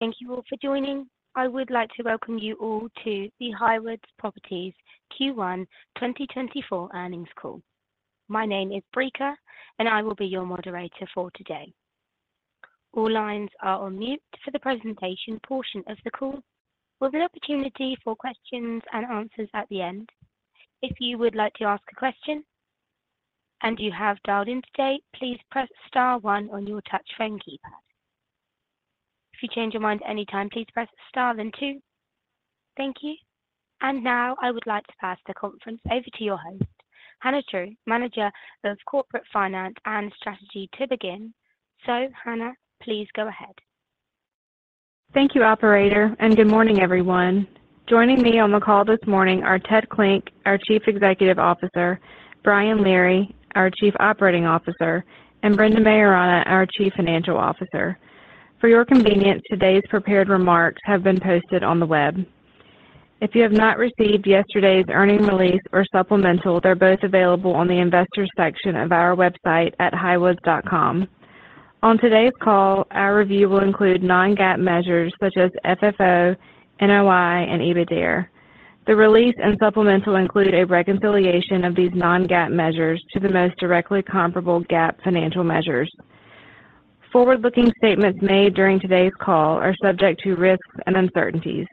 Thank you all for joining. I would like to welcome you all to the Highwoods Properties Q1 2024 earnings call. My name is Brika, and I will be your moderator for today. All lines are on mute for the presentation portion of the call, with an opportunity for questions and answers at the end. If you would like to ask a question and you have dialed in today, please press star one on your touch phone keypad. If you change your mind anytime, please press star then two. Thank you. And now I would like to pass the conference over to your host, Hannah True, Manager of Corporate Finance and Strategy, to begin. So, Hannah, please go ahead. Thank you, operator, and good morning, everyone. Joining me on the call this morning are Ted Klinck, our Chief Executive Officer, Brian Leary, our Chief Operating Officer, and Brendan Maiorana, our Chief Financial Officer. For your convenience, today's prepared remarks have been posted on the web. If you have not received yesterday's earning release or supplemental, they're both available on the investors section of our website at highwoods.com. On today's call, our review will include non-GAAP measures such as FFO, NOI, and EBITDA. The release and supplemental include a reconciliation of these non-GAAP measures to the most directly comparable GAAP financial measures. Forward-looking statements made during today's call are subject to risks and uncertainties.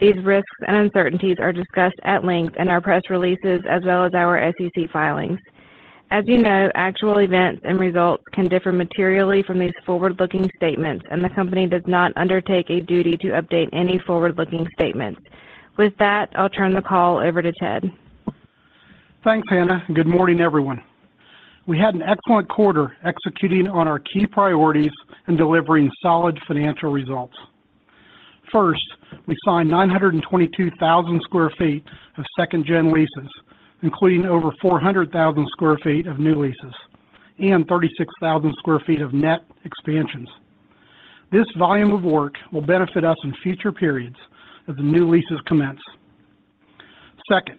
These risks and uncertainties are discussed at length in our press releases as well as our SEC filings. As you know, actual events and results can differ materially from these forward-looking statements, and the company does not undertake a duty to update any forward-looking statements. With that, I'll turn the call over to Ted. Thanks, Hannah. Good morning, everyone. We had an excellent quarter executing on our key priorities and delivering solid financial results. First, we signed 922,000 sq ft of second gen leases, including over 400,000 sq ft of new leases and 36,000 sq ft of net expansions. This volume of work will benefit us in future periods as the new leases commence. Second,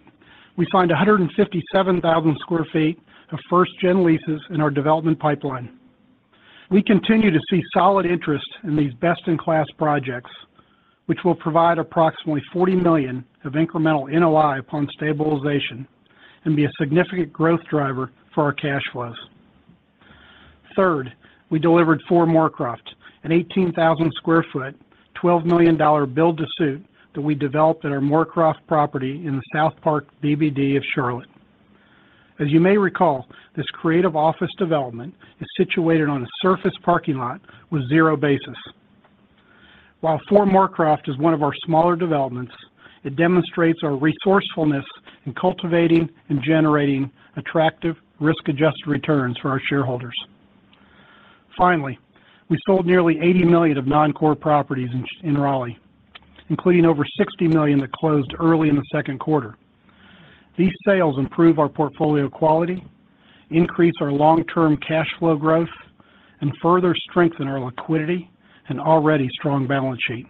we signed 157,000 sq ft of first gen leases in our development pipeline. We continue to see solid interest in these best-in-class projects, which will provide approximately $40 million of incremental NOI upon stabilization and be a significant growth driver for our cash flows. Third, we delivered Four Moorcroft, an 18,000 sq ft, $12 million build-to-suit that we developed at our Moorcroft property in the SouthPark BBD of Charlotte. As you may recall, this creative office development is situated on a surface parking lot with zero basis. While Four Moorcroft is one of our smaller developments, it demonstrates our resourcefulness in cultivating and generating attractive risk-adjusted returns for our shareholders. Finally, we sold nearly $80 million of non-core properties in Raleigh, including over $60 million that closed early in the second quarter. These sales improve our portfolio quality, increase our long-term cash flow growth, and further strengthen our liquidity and already strong balance sheet.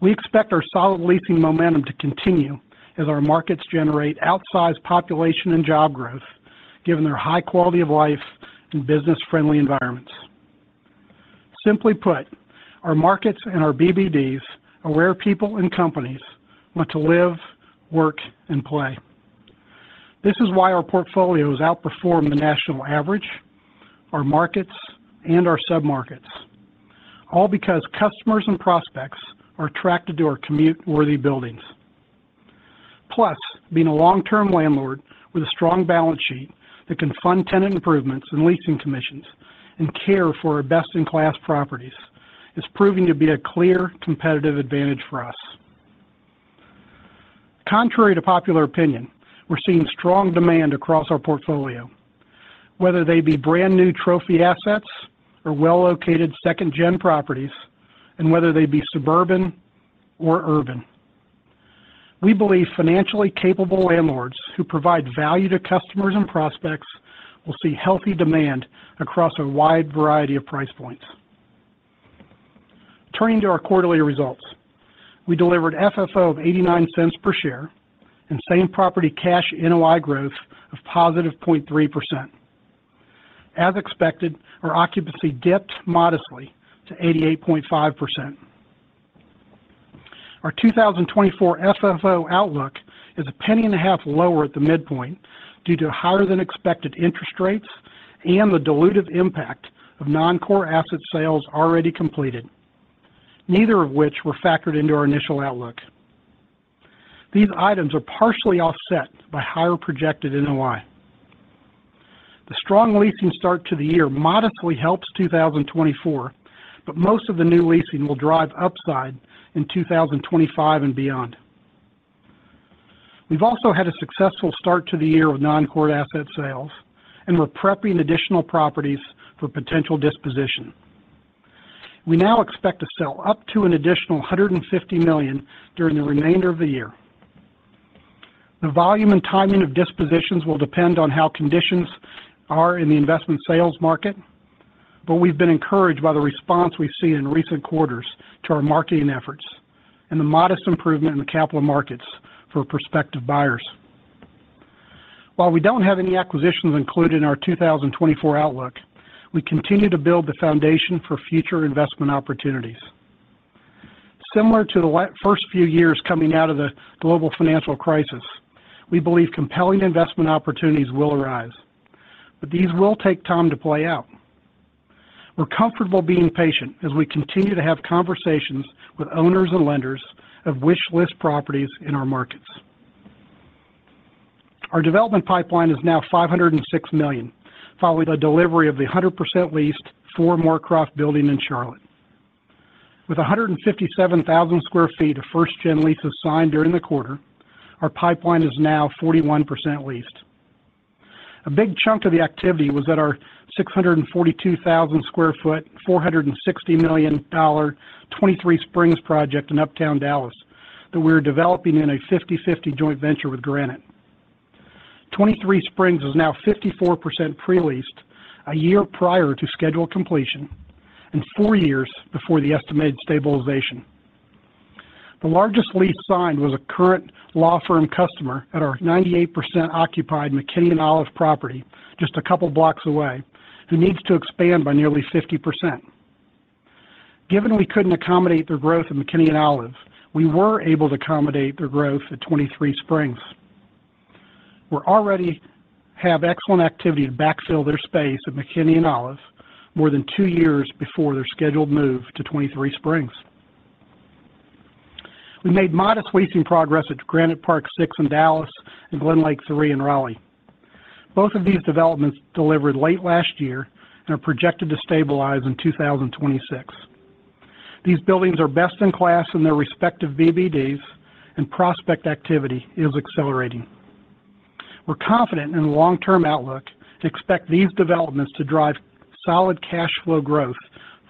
We expect our solid leasing momentum to continue as our markets generate outsized population and job growth, given their high quality of life and business-friendly environments. Simply put, our markets and our BBDs are where people and companies want to live, work, and play. This is why our portfolios outperform the national average, our markets, and our submarkets. All because customers and prospects are attracted to our commute-worthy buildings. Plus, being a long-term landlord with a strong balance sheet that can fund tenant improvements and leasing commissions and care for our best-in-class properties is proving to be a clear competitive advantage for us. Contrary to popular opinion, we're seeing strong demand across our portfolio, whether they be brand new trophy assets or well-located second gen properties, and whether they be suburban or urban. We believe financially capable landlords who provide value to customers and prospects will see healthy demand across a wide variety of price points. Turning to our quarterly results, we delivered FFO of $0.89 per share and same-property cash NOI growth of +0.3%. As expected, our occupancy dipped modestly to 88.5%. Our 2024 FFO outlook is $0.015 lower at the midpoint due to higher-than-expected interest rates and the dilutive impact of non-core asset sales already completed, neither of which were factored into our initial outlook. These items are partially offset by higher projected NOI. The strong leasing start to the year modestly helps 2024, but most of the new leasing will drive upside in 2025 and beyond. We've also had a successful start to the year with non-core asset sales, and we're prepping additional properties for potential disposition. We now expect to sell up to an additional $150 million during the remainder of the year. The volume and timing of dispositions will depend on how conditions are in the investment sales market, but we've been encouraged by the response we've seen in recent quarters to our marketing efforts and the modest improvement in the capital markets for prospective buyers. While we don't have any acquisitions included in our 2024 outlook, we continue to build the foundation for future investment opportunities. Similar to the first few years coming out of the global financial crisis, we believe compelling investment opportunities will arise, but these will take time to play out. We're comfortable being patient as we continue to have conversations with owners and lenders of wish list properties in our markets. Our development pipeline is now $506 million, following the delivery of the 100% leased Four Moorcroft building in Charlotte. With 157,000 sq ft of first gen leases signed during the quarter, our pipeline is now 41% leased. A big chunk of the activity was at our 642,000 sq ft, $460 million 23Springs project in Uptown Dallas, that we're developing in a 50/50 joint venture with Granite. 23Springs is now 54% pre-leased a year prior to scheduled completion and four years before the estimated stabilization. The largest lease signed was a current law firm customer at our 98% occupied McKinney & Olive property, just a couple blocks away, who needs to expand by nearly 50%. Given we couldn't accommodate their growth at McKinney & Olive, we were able to accommodate their growth at 23Springs. We already have excellent activity to backfill their space at McKinney & Olive more than two years before their scheduled move to 23Springs. We made modest leasing progress at Granite Park 6 in Dallas and GlenLake III in Raleigh. Both of these developments delivered late last year and are projected to stabilize in 2026. These buildings are best in class in their respective BBDs, and prospect activity is accelerating. We're confident in the long-term outlook and expect these developments to drive solid cash flow growth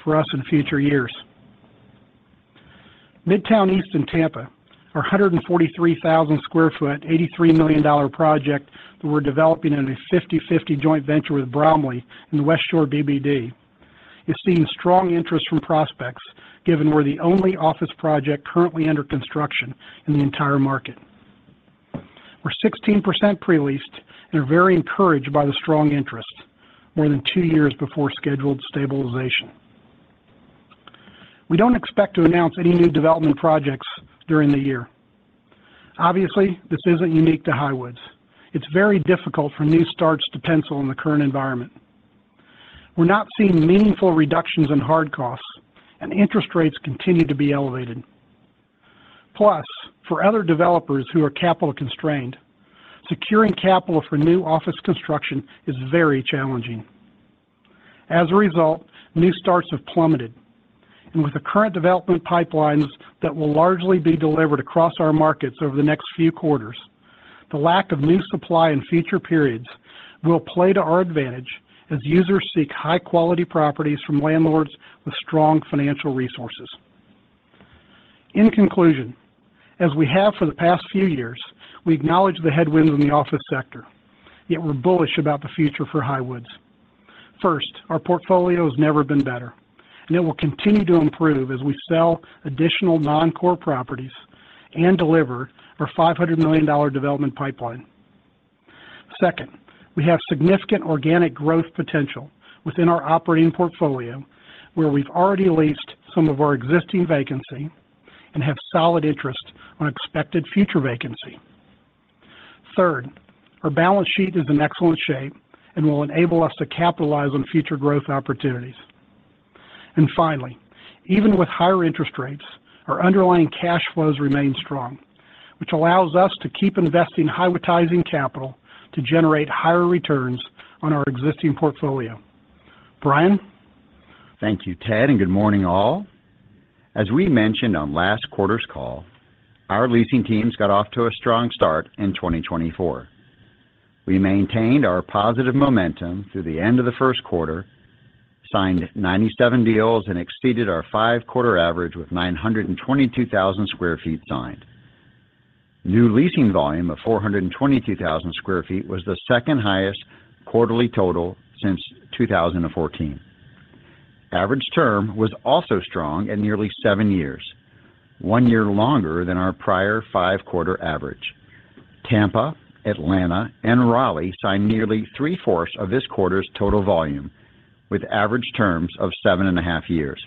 for us in future years. Midtown East in Tampa, our 143,000 sq ft, $83 million project that we're developing in a 50/50 joint venture with Bromley in the Westshore BBD, is seeing strong interest from prospects, given we're the only office project currently under construction in the entire market. We're 16% pre-leased and are very encouraged by the strong interest more than two years before scheduled stabilization. We don't expect to announce any new development projects during the year. Obviously, this isn't unique to Highwoods. It's very difficult for new starts to pencil in the current environment. We're not seeing meaningful reductions in hard costs, and interest rates continue to be elevated. Plus, for other developers who are capital constrained, securing capital for new office construction is very challenging. As a result, new starts have plummeted, and with the current development pipelines that will largely be delivered across our markets over the next few quarters, the lack of new supply in future periods will play to our advantage as users seek high quality properties from landlords with strong financial resources. In conclusion, as we have for the past few years, we acknowledge the headwinds in the office sector, yet we're bullish about the future for Highwoods. First, our portfolio has never been better, and it will continue to improve as we sell additional non-core properties and deliver our $500 million development pipeline. Second, we have significant organic growth potential within our operating portfolio, where we've already leased some of our existing vacancy and have solid interest on expected future vacancy. Third, our balance sheet is in excellent shape and will enable us to capitalize on future growth opportunities. And finally, even with higher interest rates, our underlying cash flows remain strong, which allows us to keep investing high utilizing capital to generate higher returns on our existing portfolio. Brian? Thank you, Ted, and good morning all. As we mentioned on last quarter's call, our leasing teams got off to a strong start in 2024. We maintained our positive momentum through the end of the first quarter, signed 97 deals, and exceeded our five-quarter average with 922,000 sq ft signed. New leasing volume of 422,000 sq ft was the second highest quarterly total since 2014. Average term was also strong at nearly seven years, one year longer than our prior five-quarter average. Tampa, Atlanta, and Raleigh signed nearly 3/4 of this quarter's total volume, with average terms of seven point five years.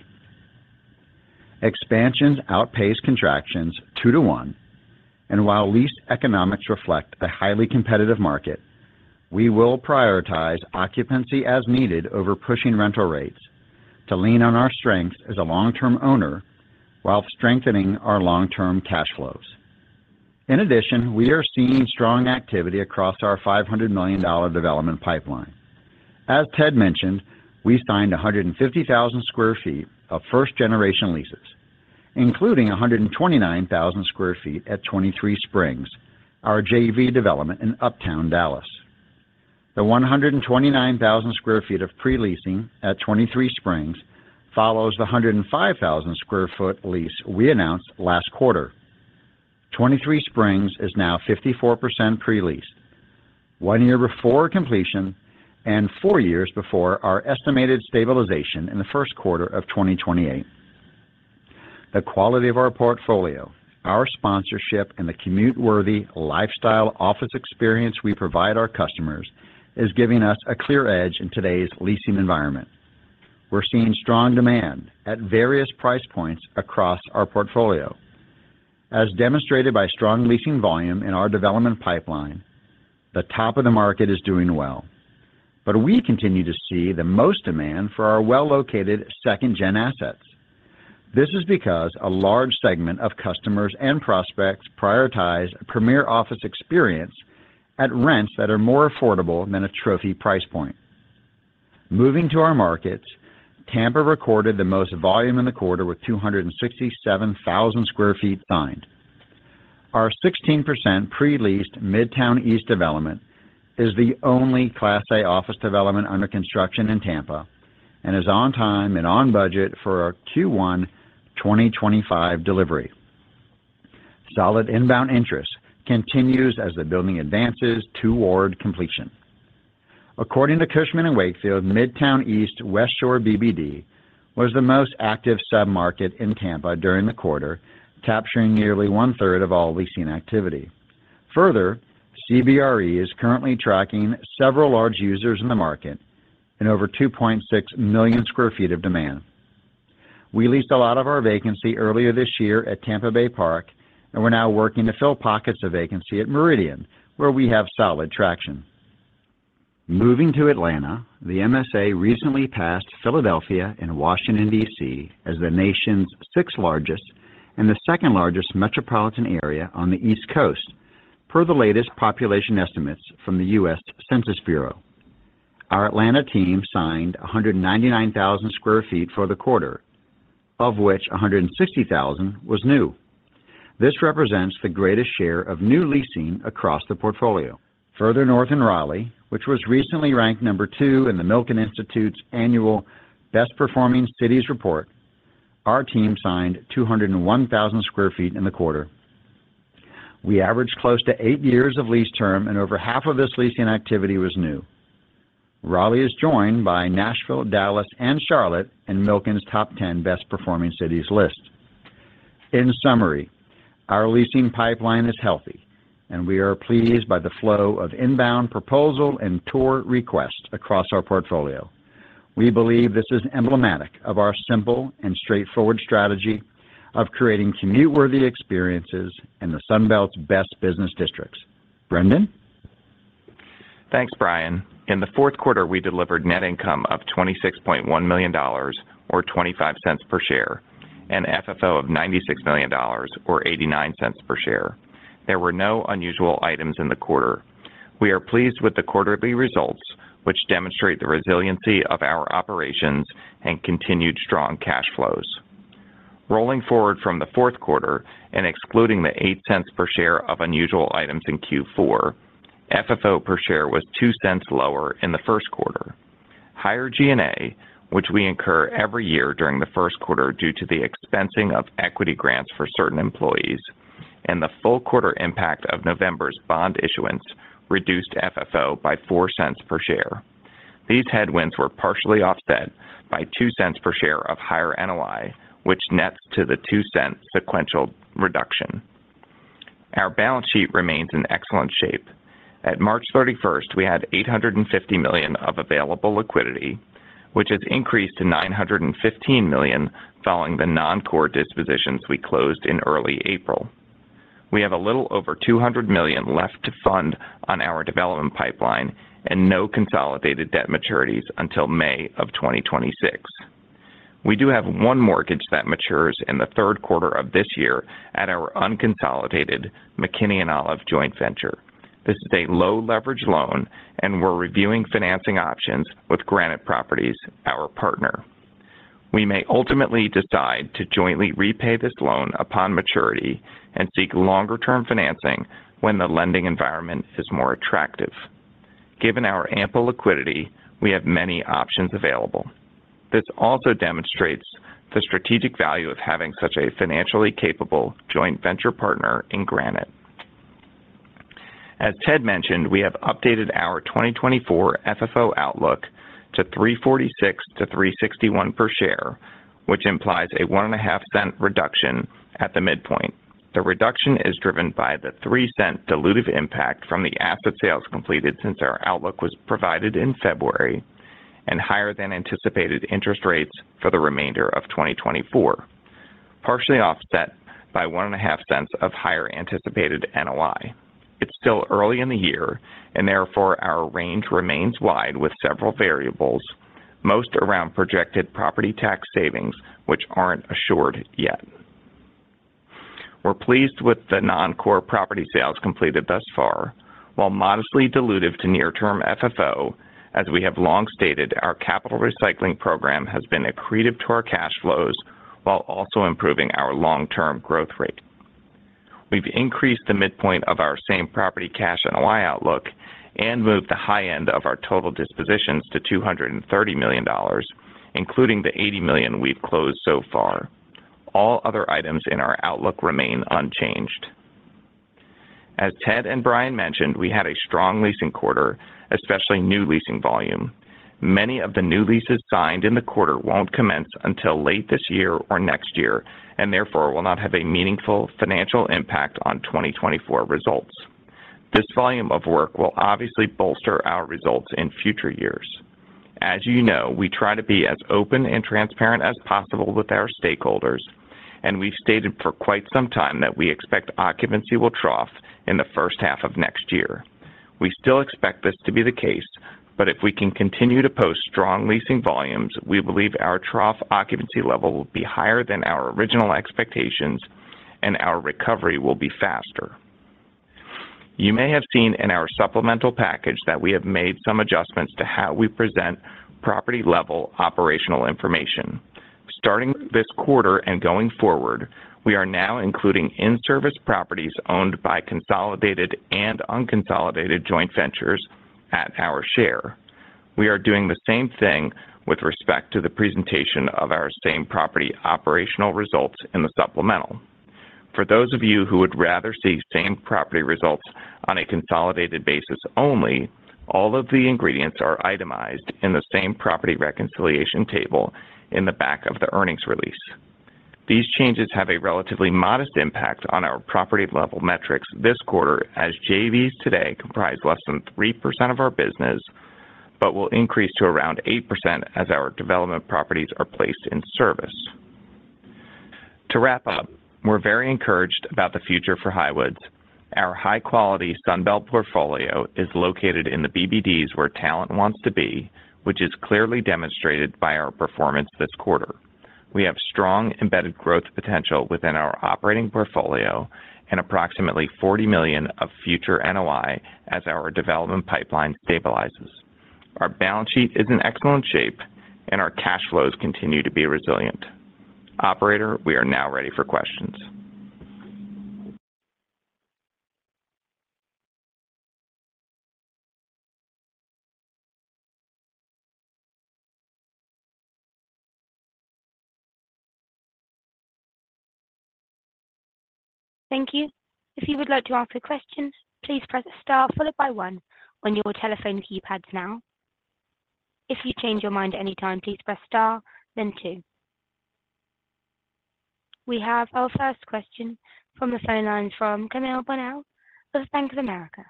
Expansions outpaced contractions two to one, and while leased economics reflect a highly competitive market, we will prioritize occupancy as needed over pushing rental rates to lean on our strengths as a long-term owner while strengthening our long-term cash flows. In addition, we are seeing strong activity across our $500 million development pipeline. As Ted mentioned, we signed 150,000 sq ft of first-generation leases, including 129,000 sq ft at 23Springs, our JV development in Uptown Dallas. The 129,000 sq ft lease we announced last quarter. 23Springs is now 54% pre-leased, one year before completion and four years before our estimated stabilization in the first quarter of 2028. The quality of our portfolio, our sponsorship, and the commute-worthy lifestyle office experience we provide our customers is giving us a clear edge in today's leasing environment. We're seeing strong demand at various price points across our portfolio. As demonstrated by strong leasing volume in our development pipeline, the top of the market is doing well. But we continue to see the most demand for our well-located second-gen assets. This is because a large segment of customers and prospects prioritize premier office experience at rents that are more affordable than a trophy price point. Moving to our markets, Tampa recorded the most volume in the quarter with 267,000 sq ft signed. Our 16% pre-leased Midtown East development is the only Class A office development under construction in Tampa, and is on time and on budget for our Q1 2025 delivery. Solid inbound interest continues as the building advances toward completion. According to Cushman & Wakefield, Midtown East Westshore BBD was the most active submarket in Tampa during the quarter, capturing nearly one-third of all leasing activity. Further, CBRE is currently tracking several large users in the market and over 2.6 million sq ft of demand. We leased a lot of our vacancy earlier this year at Tampa Bay Park, and we're now working to fill pockets of vacancy at Meridian, where we have solid traction. Moving to Atlanta, the MSA recently passed Philadelphia and Washington, D.C., as the nation's sixth-largest and the second-largest metropolitan area on the East Coast, per the latest population estimates from the U.S. Census Bureau. Our Atlanta team signed 199,000 sq ft for the quarter, of which 160,000 was new. This represents the greatest share of new leasing across the portfolio. Further north in Raleigh, which was recently ranked number two in the Milken Institute's annual Best Performing Cities report, our team signed 201,000 sq ft in the quarter. We averaged close to eight years of lease term, and over half of this leasing activity was new. Raleigh is joined by Nashville, Dallas, and Charlotte in Milken's top 10 Best Performing Cities list. In summary, our leasing pipeline is healthy, and we are pleased by the flow of inbound proposal and tour requests across our portfolio. We believe this is emblematic of our simple and straightforward strategy of creating commute-worthy experiences in the Sun Belt's best business districts. Brendan? Thanks, Brian. In the fourth quarter, we delivered net income of $26.1 million, or $0.25 per share, and FFO of $96 million, or $0.89 per share. There were no unusual items in the quarter. We are pleased with the quarterly results, which demonstrate the resiliency of our operations and continued strong cash flows. Rolling forward from the fourth quarter and excluding the $0.08 per share of unusual items in Q4, FFO per share was $0.02 lower in the first quarter. Higher G&A, which we incur every year during the first quarter due to the expensing of equity grants for certain employees, and the full quarter impact of November's bond issuance reduced FFO by $0.04 per share. These headwinds were partially offset by $0.02 per share of higher NOI, which nets to the $0.02 sequential reduction. Our balance sheet remains in excellent shape. At March 31st, we had $850 million of available liquidity, which has increased to $915 million following the non-core dispositions we closed in early April. We have a little over $200 million left to fund on our development pipeline and no consolidated debt maturities until May 2026. We do have one mortgage that matures in the third quarter of this year at our unconsolidated McKinney & Olive joint venture. This is a low-leverage loan, and we're reviewing financing options with Granite Properties, our partner. We may ultimately decide to jointly repay this loan upon maturity and seek longer-term financing when the lending environment is more attractive. Given our ample liquidity, we have many options available. This also demonstrates the strategic value of having such a financially capable joint venture partner in Granite. As Ted mentioned, we have updated our 2024 FFO outlook to $3.46-$3.61 per share, which implies a $0.015 reduction at the midpoint. The reduction is driven by the $0.03 dilutive impact from the asset sales completed since our outlook was provided in February, and higher than anticipated interest rates for the remainder of 2024, partially offset by $0.015 of higher anticipated NOI. It's still early in the year, and therefore our range remains wide with several variables, most around projected property tax savings, which aren't assured yet. We're pleased with the noncore property sales completed thus far. While modestly dilutive to near-term FFO, as we have long stated, our capital recycling program has been accretive to our cash flows while also improving our long-term growth rate. We've increased the midpoint of our same-property cash NOI outlook and moved the high end of our total dispositions to $230 million, including the $80 million we've closed so far. All other items in our outlook remain unchanged. As Ted and Brian mentioned, we had a strong leasing quarter, especially new leasing volume. Many of the new leases signed in the quarter won't commence until late this year or next year, and therefore will not have a meaningful financial impact on 2024 results. This volume of work will obviously bolster our results in future years. As you know, we try to be as open and transparent as possible with our stakeholders, and we've stated for quite some time that we expect occupancy will trough in the first half of next year. We still expect this to be the case, but if we can continue to post strong leasing volumes, we believe our trough occupancy level will be higher than our original expectations and our recovery will be faster. You may have seen in our supplemental package that we have made some adjustments to how we present property-level operational information. Starting this quarter and going forward, we are now including in-service properties owned by consolidated and unconsolidated joint ventures at our share. We are doing the same thing with respect to the presentation of our same property operational results in the supplemental. For those of you who would rather see same property results on a consolidated basis only, all of the ingredients are itemized in the same property reconciliation table in the back of the earnings release. These changes have a relatively modest impact on our property level metrics this quarter, as JVs today comprise less than 3% of our business, but will increase to around 8% as our development properties are placed in service. To wrap up, we're very encouraged about the future for Highwoods. Our high-quality Sun Belt portfolio is located in the BBDs, where talent wants to be, which is clearly demonstrated by our performance this quarter. We have strong embedded growth potential within our operating portfolio and approximately $40 million of future NOI as our development pipeline stabilizes. Our balance sheet is in excellent shape, and our cash flows continue to be resilient. Operator, we are now ready for questions. Thank you. If you would like to ask a question, please press Star followed by one on your telephone keypads now. If you change your mind anytime, please press Star, then two. We have our first question from the phone line from Camille Bonnel of Bank of America.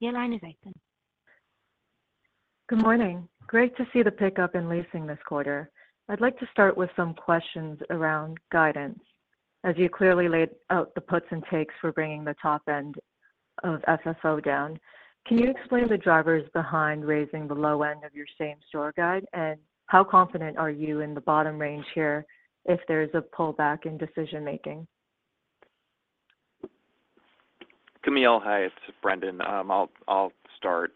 Your line is open. Good morning. Great to see the pickup in leasing this quarter. I'd like to start with some questions around guidance. As you clearly laid out the puts and takes for bringing the top end of FFO down, can you explain the drivers behind raising the low end of your same-store guide? And how confident are you in the bottom range here if there's a pullback in decision making? Camille, hi, it's Brendan. I'll start.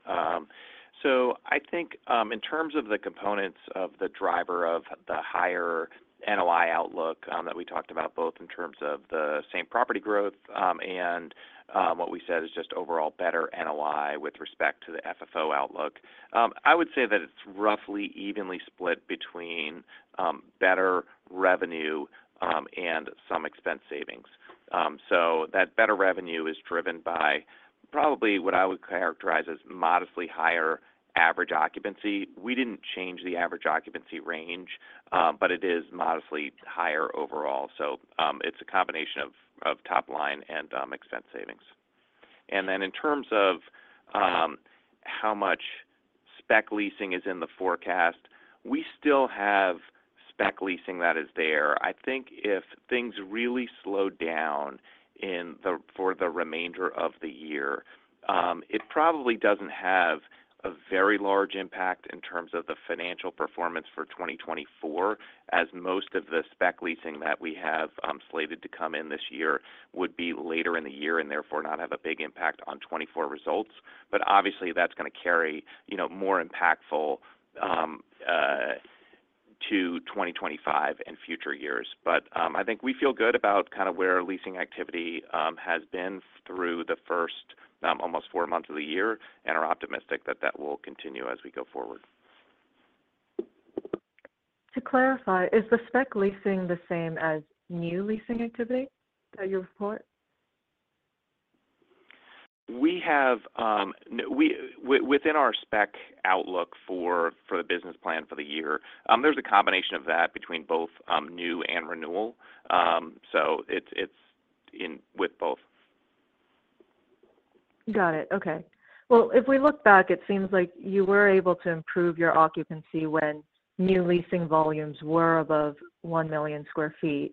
So I think, in terms of the components of the driver of the higher NOI outlook, that we talked about, both in terms of the same property growth, and what we said is just overall better NOI with respect to the FFO outlook. I would say that it's roughly evenly split between better revenue and some expense savings. So that better revenue is driven by probably what I would characterize as modestly higher average occupancy. We didn't change the average occupancy range, but it is modestly higher overall. So it's a combination of top line and expense savings. And then in terms of how much spec leasing is in the forecast, we still have spec leasing that is there. I think if things really slow down in the for the remainder of the year, it probably doesn't have a very large impact in terms of the financial performance for 2024, as most of the spec leasing that we have slated to come in this year would be later in the year and therefore not have a big impact on 2024 results. But obviously, that's going to carry, you know, more impactful to 2025 and future years. But I think we feel good about kind of where leasing activity has been through the first almost four months of the year and are optimistic that that will continue as we go forward. To clarify, is the spec leasing the same as new leasing activity per your report? We have within our spec outlook for the business plan for the year, there's a combination of that between both new and renewal. So it's in with both. Got it. Okay. Well, if we look back, it seems like you were able to improve your occupancy when new leasing volumes were above 1 million sq ft.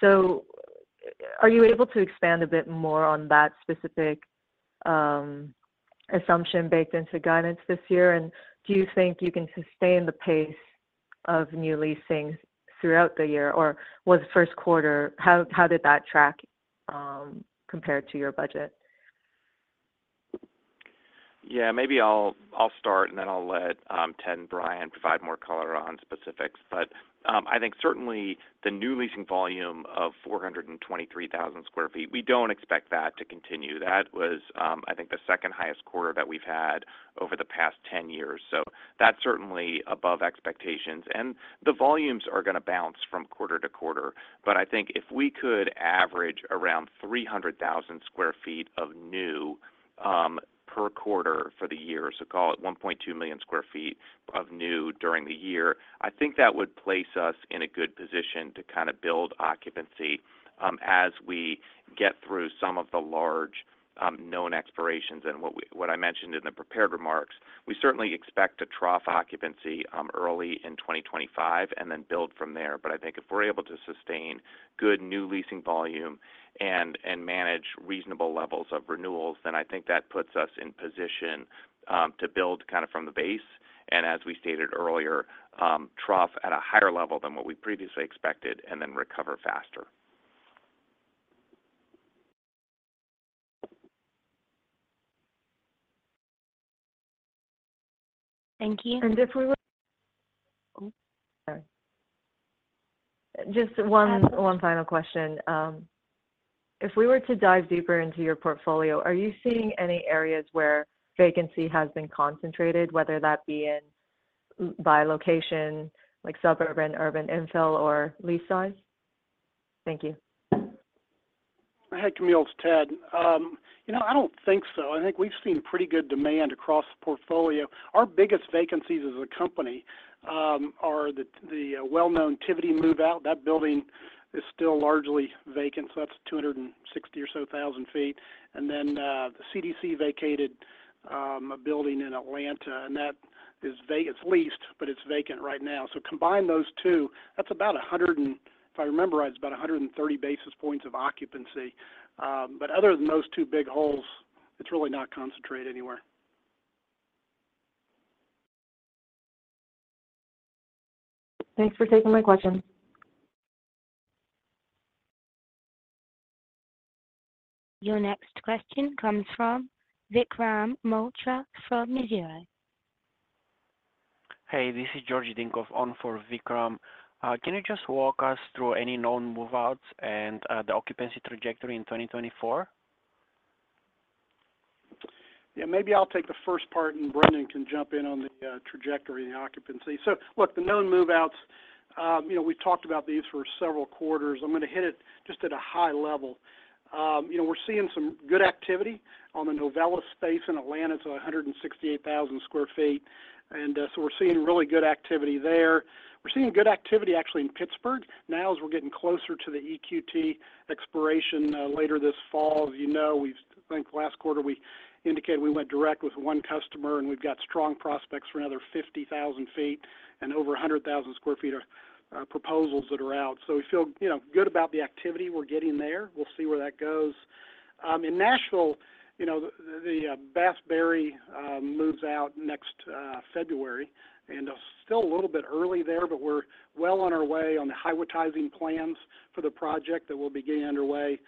So are you able to expand a bit more on that specific, assumption baked into guidance this year? And do you think you can sustain the pace of new leasing throughout the year, or was first quarter? How did that track, compared to your budget? Yeah, maybe I'll start, and then I'll let Ted and Brian provide more color on specifics. But I think certainly the new leasing volume of 423,000 sq ft, we don't expect that to continue. That was, I think, the second highest quarter that we've had over the past 10 years, so that's certainly above expectations. And the volumes are going to bounce from quarter to quarter.... But I think if we could average around 300,000 sq ft of new per quarter for the year, so call it 1.2 million sq ft of new during the year, I think that would place us in a good position to kind of build occupancy as we get through some of the large known expirations. What I mentioned in the prepared remarks, we certainly expect to trough occupancy early in 2025 and then build from there. But I think if we're able to sustain good new leasing volume and manage reasonable levels of renewals, then I think that puts us in position to build kind of from the base, and as we stated earlier, trough at a higher level than what we previously expected, and then recover faster. Thank you. Oh, sorry. Just one, one final question. If we were to dive deeper into your portfolio, are you seeing any areas where vacancy has been concentrated, whether that be in by location, like suburban, urban, infill, or lease size? Thank you. Hi, Camille, it's Ted. You know, I don't think so. I think we've seen pretty good demand across the portfolio. Our biggest vacancies as a company are the well-known Tivity move-out. That building is still largely vacant, so that's 260 or so thousand sq ft. And then, the CDC vacated a building in Atlanta, and that is. It's leased, but it's vacant right now. So combine those two, that's about a hundred and, if I remember right, it's about 130 basis points of occupancy. But other than those two big holes, it's really not concentrated anywhere. Thanks for taking my question. Your next question comes from Vikram Malhotra from Mizuho. Hey, this is Georgi Dinkov on for Vikram. Can you just walk us through any known move-outs and, the occupancy trajectory in 2024? Yeah, maybe I'll take the first part, and Brendan can jump in on the trajectory and the occupancy. So look, the known move-outs, you know, we've talked about these for several quarters. I'm going to hit it just at a high level. You know, we're seeing some good activity on the Novelis space in Atlanta, so 168,000 sq ft. And so we're seeing really good activity there. We're seeing good activity actually in Pittsburgh. Now, as we're getting closer to the EQT expiration later this fall, as you know, we've, I think last quarter, we indicated we went direct with one customer, and we've got strong prospects for another 50,000 sq ft and over 100,000 sq ft of proposals that are out. So we feel, you know, good about the activity we're getting there. We'll see where that goes. In Nashville, you know, Bass Berry moves out next February, and still a little bit early there, but we're well on our way on the Highwoodtizing plans for the project that will be getting underway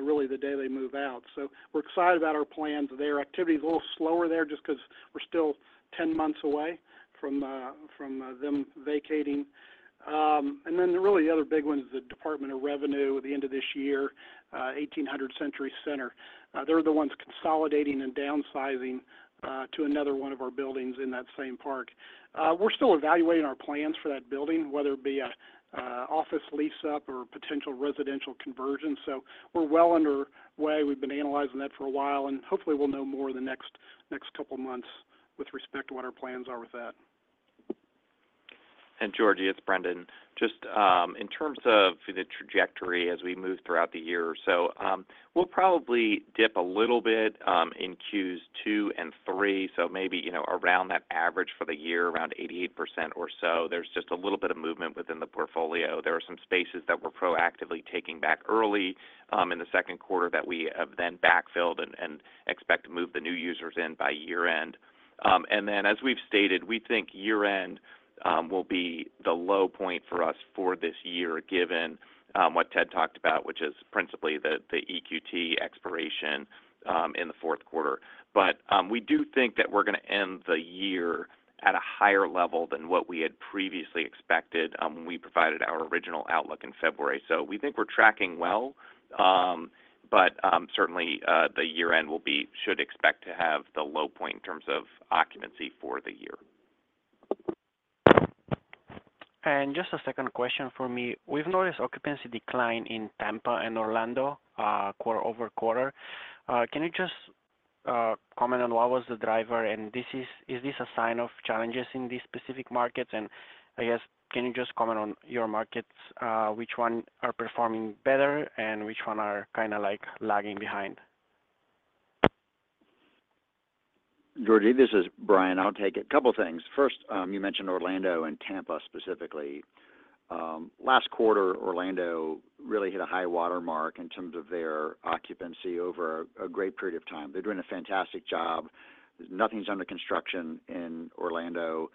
really the day they move out. So we're excited about our plans there. Activity is a little slower there just because we're still 10 months away from them vacating. And then really the other big one is the Department of Revenue at the end of this year, 1,800 Century Center. They're the ones consolidating and downsizing to another one of our buildings in that same park. We're still evaluating our plans for that building, whether it be a office lease up or a potential residential conversion. So we're well under way. We've been analyzing that for a while, and hopefully, we'll know more in the next couple of months with respect to what our plans are with that. Georgie, it's Brendan. Just in terms of the trajectory as we move throughout the year or so, we'll probably dip a little bit in Q2 and Q3, so maybe, you know, around that average for the year, around 88% or so. There's just a little bit of movement within the portfolio. There are some spaces that we're proactively taking back early in the second quarter that we have then backfilled and expect to move the new users in by year-end. And then, as we've stated, we think year-end will be the low point for us for this year, given what Ted talked about, which is principally the EQT expiration in the fourth quarter. We do think that we're going to end the year at a higher level than what we had previously expected, when we provided our original outlook in February. We think we're tracking well, but certainly, the year-end should expect to have the low point in terms of occupancy for the year. Just a second question for me. We've noticed occupancy decline in Tampa and Orlando quarter over quarter. Can you just comment on what was the driver? And is this a sign of challenges in these specific markets? And I guess, can you just comment on your markets, which one are performing better and which one are kind of like lagging behind? Georgie, this is Brian. I'll take it. A couple of things. First, you mentioned Orlando and Tampa, specifically. Last quarter, Orlando really hit a high water mark in terms of their occupancy over a great period of time. They're doing a fantastic job. Nothing's under construction in Orlando.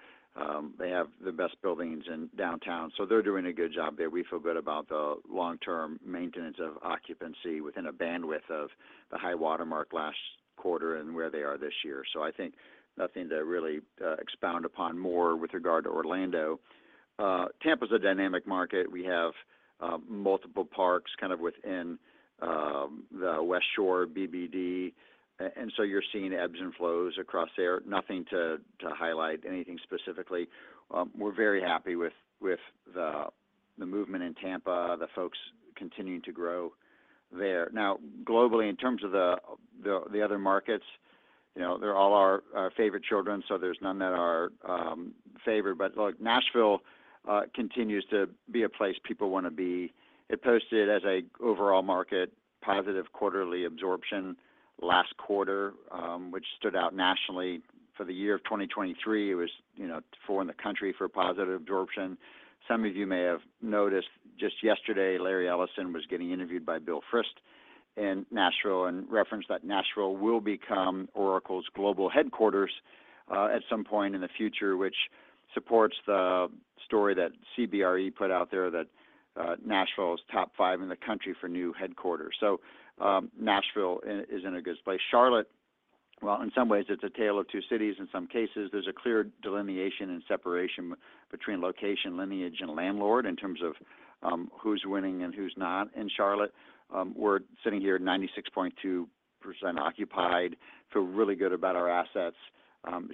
They have the best buildings in downtown, so they're doing a good job there. We feel good about the long-term maintenance of occupancy within a bandwidth of the high water mark last quarter and where they are this year. So I think nothing to really expound upon more with regard to Orlando. Tampa is a dynamic market. We have multiple parks kind of within the Westshore BBD, and so you're seeing ebbs and flows across there. Nothing to highlight anything specifically. We're very happy with the movement in Tampa. The folks continuing to grow.... there. Now, globally, in terms of the other markets, you know, they're all our favorite children, so there's none that are favored. But look, Nashville continues to be a place people wanna be. It posted as a overall market, positive quarterly absorption last quarter, which stood out nationally for the year of 2023. It was, you know, four in the country for positive absorption. Some of you may have noticed just yesterday, Larry Ellison was getting interviewed by Bill Frist in Nashville, and referenced that Nashville will become Oracle's global headquarters at some point in the future, which supports the story that CBRE put out there that Nashville is top five in the country for new headquarters. So, Nashville is in a good place. Charlotte, well, in some ways, it's a tale of two cities. In some cases, there's a clear delineation and separation between location, lineage, and landlord in terms of who's winning and who's not in Charlotte. We're sitting here at 96.2% occupied. Feel really good about our assets.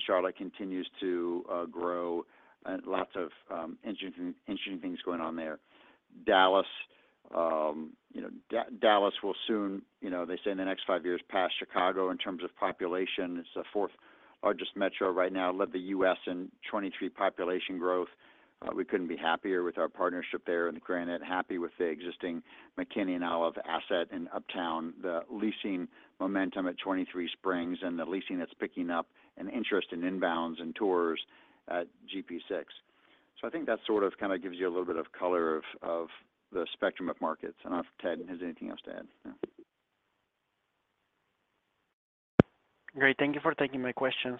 Charlotte continues to grow, and lots of interesting, interesting things going on there. Dallas, you know, Dallas will soon, you know, they say in the next five years, pass Chicago in terms of population. It's the fourth largest metro right now, led the U.S. in 2023 population growth. We couldn't be happier with our partnership there in Granite. Happy with the existing McKinney & Olive asset in Uptown, the leasing momentum at 23Springs, and the leasing that's picking up, and interest in inbounds and tours at GP6. So I think that sort of kind of gives you a little bit of color of the spectrum of markets. I don't know if Ted has anything else to add. Yeah. Great. Thank you for taking my questions.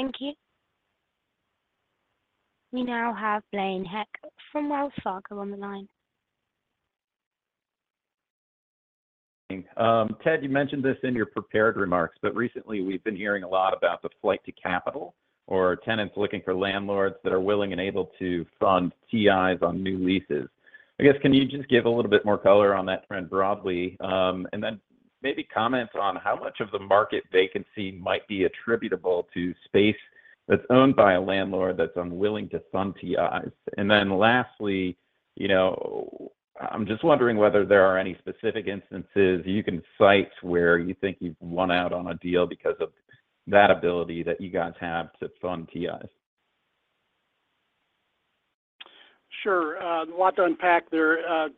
Thank you. We now have Blaine Heck from Wells Fargo on the line. Ted, you mentioned this in your prepared remarks, but recently we've been hearing a lot about the flight to capital or tenants looking for landlords that are willing and able to fund TIs on new leases. I guess, can you just give a little bit more color on that trend broadly? And then maybe comment on how much of the market vacancy might be attributable to space that's owned by a landlord that's unwilling to fund TIs. And then lastly, you know, I'm just wondering whether there are any specific instances you can cite where you think you've won out on a deal because of that ability that you guys have to fund TIs. Sure. A lot to unpack there.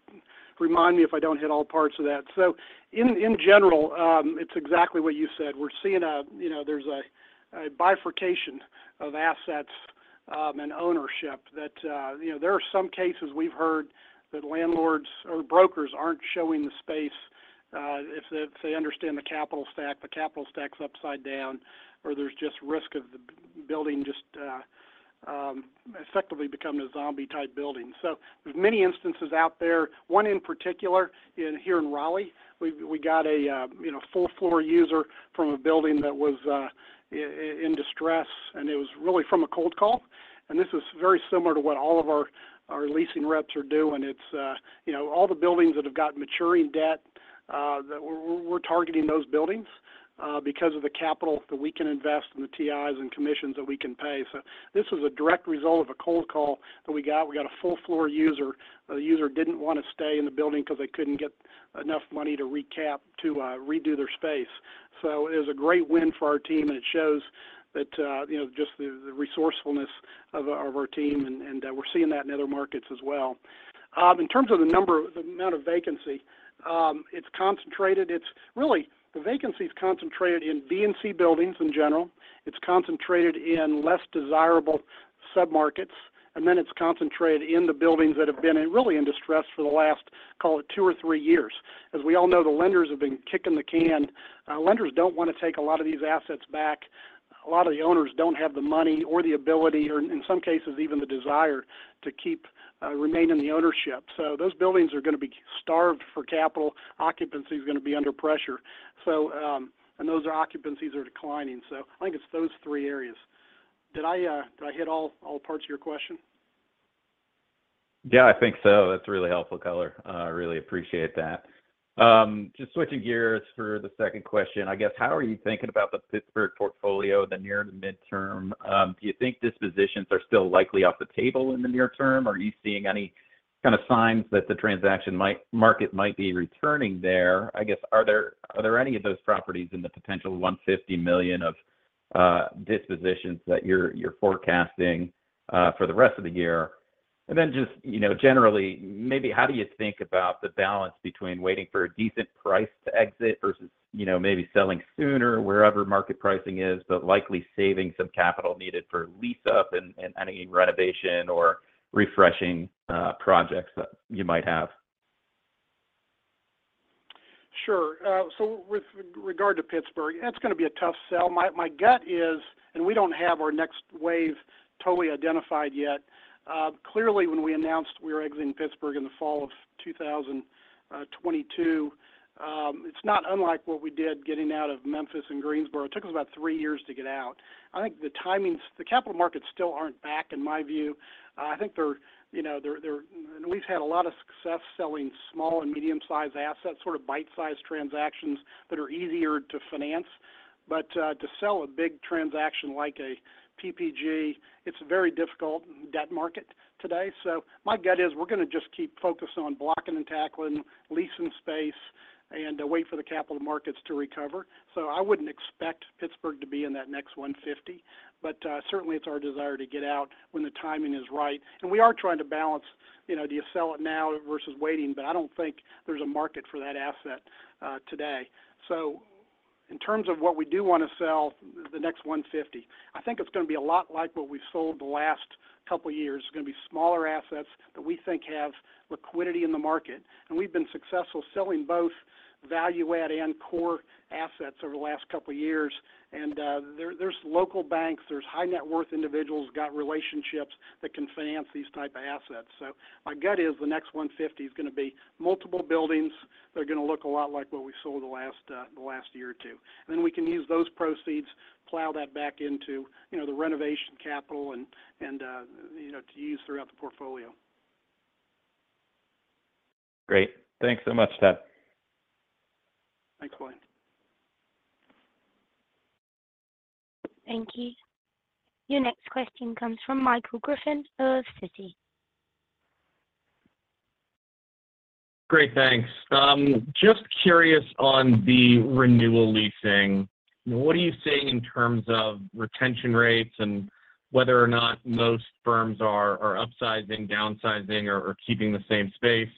Remind me if I don't hit all parts of that. So in general, it's exactly what you said. We're seeing a, you know, there's a bifurcation of assets and ownership that, you know, there are some cases we've heard that landlords or brokers aren't showing the space if they understand the capital stack, the capital stack's upside down, or there's just risk of the building just effectively becoming a zombie-type building. So there's many instances out there. One in particular, here in Raleigh, we've got a full floor user from a building that was in distress, and it was really from a cold call. And this is very similar to what all of our leasing reps are doing. It's, you know, all the buildings that have got maturing debt that we're targeting those buildings because of the capital that we can invest and the TIs and commissions that we can pay. So this was a direct result of a cold call that we got. We got a full floor user. The user didn't want to stay in the building because they couldn't get enough money to recap, to redo their space. So it was a great win for our team, and it shows that, you know, just the resourcefulness of our team, and we're seeing that in other markets as well. In terms of the number, the amount of vacancy, it's concentrated. It's really, the vacancy is concentrated in B and C buildings in general. It's concentrated in less desirable submarkets, and then it's concentrated in the buildings that have been in really in distress for the last, call it two or three years. As we all know, the lenders have been kicking the can. Lenders don't want to take a lot of these assets back. A lot of the owners don't have the money or the ability, or in some cases, even the desire, to keep remaining the ownership. So those buildings are gonna be starved for capital. Occupancy is gonna be under pressure. So, and those occupancies are declining. So I think it's those three areas. Did I did I hit all parts of your question? Yeah, I think so. That's really helpful color. I really appreciate that. Just switching gears for the second question, I guess, how are you thinking about the Pittsburgh portfolio in the near to midterm? Do you think dispositions are still likely off the table in the near term? Are you seeing any kind of signs that the market might be returning there? I guess, are there any of those properties in the potential $150 million of dispositions that you're forecasting for the rest of the year? And then just, you know, generally, maybe how do you think about the balance between waiting for a decent price to exit versus, you know, maybe selling sooner, wherever market pricing is, but likely saving some capital needed for lease up and any renovation or refreshing projects that you might have? Sure. So with regard to Pittsburgh, it's gonna be a tough sell. My gut is, and we don't have our next wave totally identified yet. Clearly, when we announced we were exiting Pittsburgh in the fall of 2022, it's not unlike what we did getting out of Memphis and Greensboro. It took us about three years to get out. I think the timing, the capital markets still aren't back, in my view. I think they're, you know, they're... And we've had a lot of success selling small and medium-sized assets, sort of bite-sized transactions that are easier to finance. But, to sell a big transaction like a PPG, it's a very difficult debt market today. So my gut is we're gonna just keep focused on blocking and tackling, leasing space... and, wait for the capital markets to recover. So I wouldn't expect Pittsburgh to be in that next $150, but certainly it's our desire to get out when the timing is right. And we are trying to balance, you know, do you sell it now versus waiting? But I don't think there's a market for that asset today. So in terms of what we do want to sell, the next $150, I think it's going to be a lot like what we've sold the last couple of years. It's going to be smaller assets that we think have liquidity in the market, and we've been successful selling both value add and core assets over the last couple of years. And there, there's local banks, there's high-net-worth individuals, got relationships that can finance these type of assets. So my gut is the next $150 is going to be multiple buildings. They're going to look a lot like what we sold the last year or two. Then we can use those proceeds, plow that back into, you know, the renovation capital and, you know, to use throughout the portfolio. Great. Thanks so much, Ted. Thanks, Blaine. Thank you. Your next question comes from Michael Griffin of Citi. Great, thanks. Just curious on the renewal leasing, what are you seeing in terms of retention rates and whether or not most firms are upsizing, downsizing, or keeping the same space?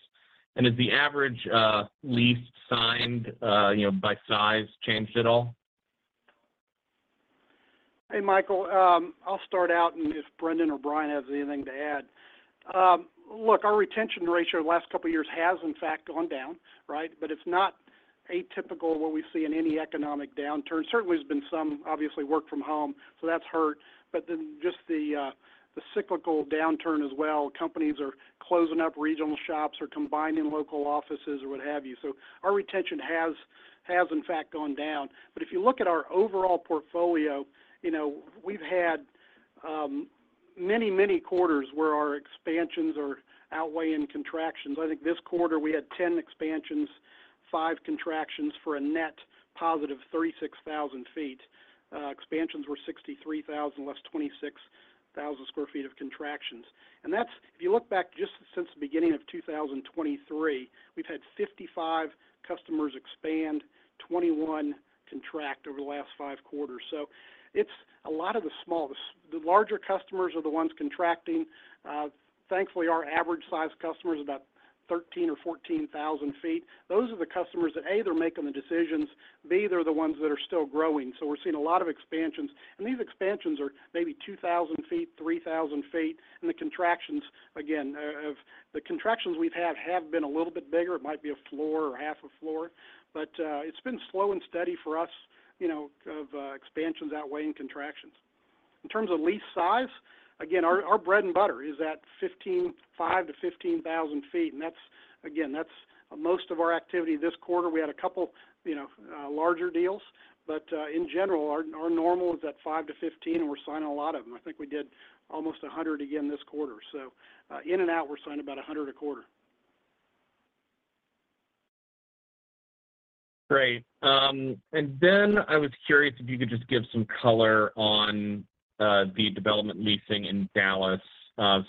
And has the average lease signed, you know, by size changed at all? Hey, Michael, I'll start out, and if Brendan or Brian has anything to add. Look, our retention ratio the last couple of years has in fact gone down, right? But it's not atypical of what we see in any economic downturn. Certainly, there's been some, obviously, work from home, so that's hurt, but then just the, the cyclical downturn as well. Companies are closing up regional shops or combining local offices or what have you. So our retention has, has in fact gone down. But if you look at our overall portfolio, you know, we've had, many, many quarters where our expansions are outweighing contractions. I think this quarter we had 10 expansions, 5 contractions for a net positive 36,000 sq ft. Expansions were 63,000, less 26,000 sq ft of contractions. That's, if you look back just since the beginning of 2023, we've had 55 customers expand, 21 contract over the last five quarters. So it's a lot of the smallest. The larger customers are the ones contracting. Thankfully, our average-sized customer is about 13,000 ft or 14,000 ft. Those are the customers that, A, they're making the decisions, B, they're the ones that are still growing. So we're seeing a lot of expansions, and these expansions are maybe 2,000 ft, 3,000 ft. And the contractions, again, of the contractions we've had have been a little bit bigger. It might be a floor or half a floor, but, it's been slow and steady for us, you know, of, expansions outweighing contractions. In terms of lease size, again, our bread and butter is 5-15,000 sq ft, and that's again most of our activity this quarter. We had a couple, you know, larger deals, but in general, our normal is 5-15, and we're signing a lot of them. I think we did almost 100 again this quarter. So, in and out, we're signing about 100 a quarter. Great. And then I was curious if you could just give some color on the development leasing in Dallas.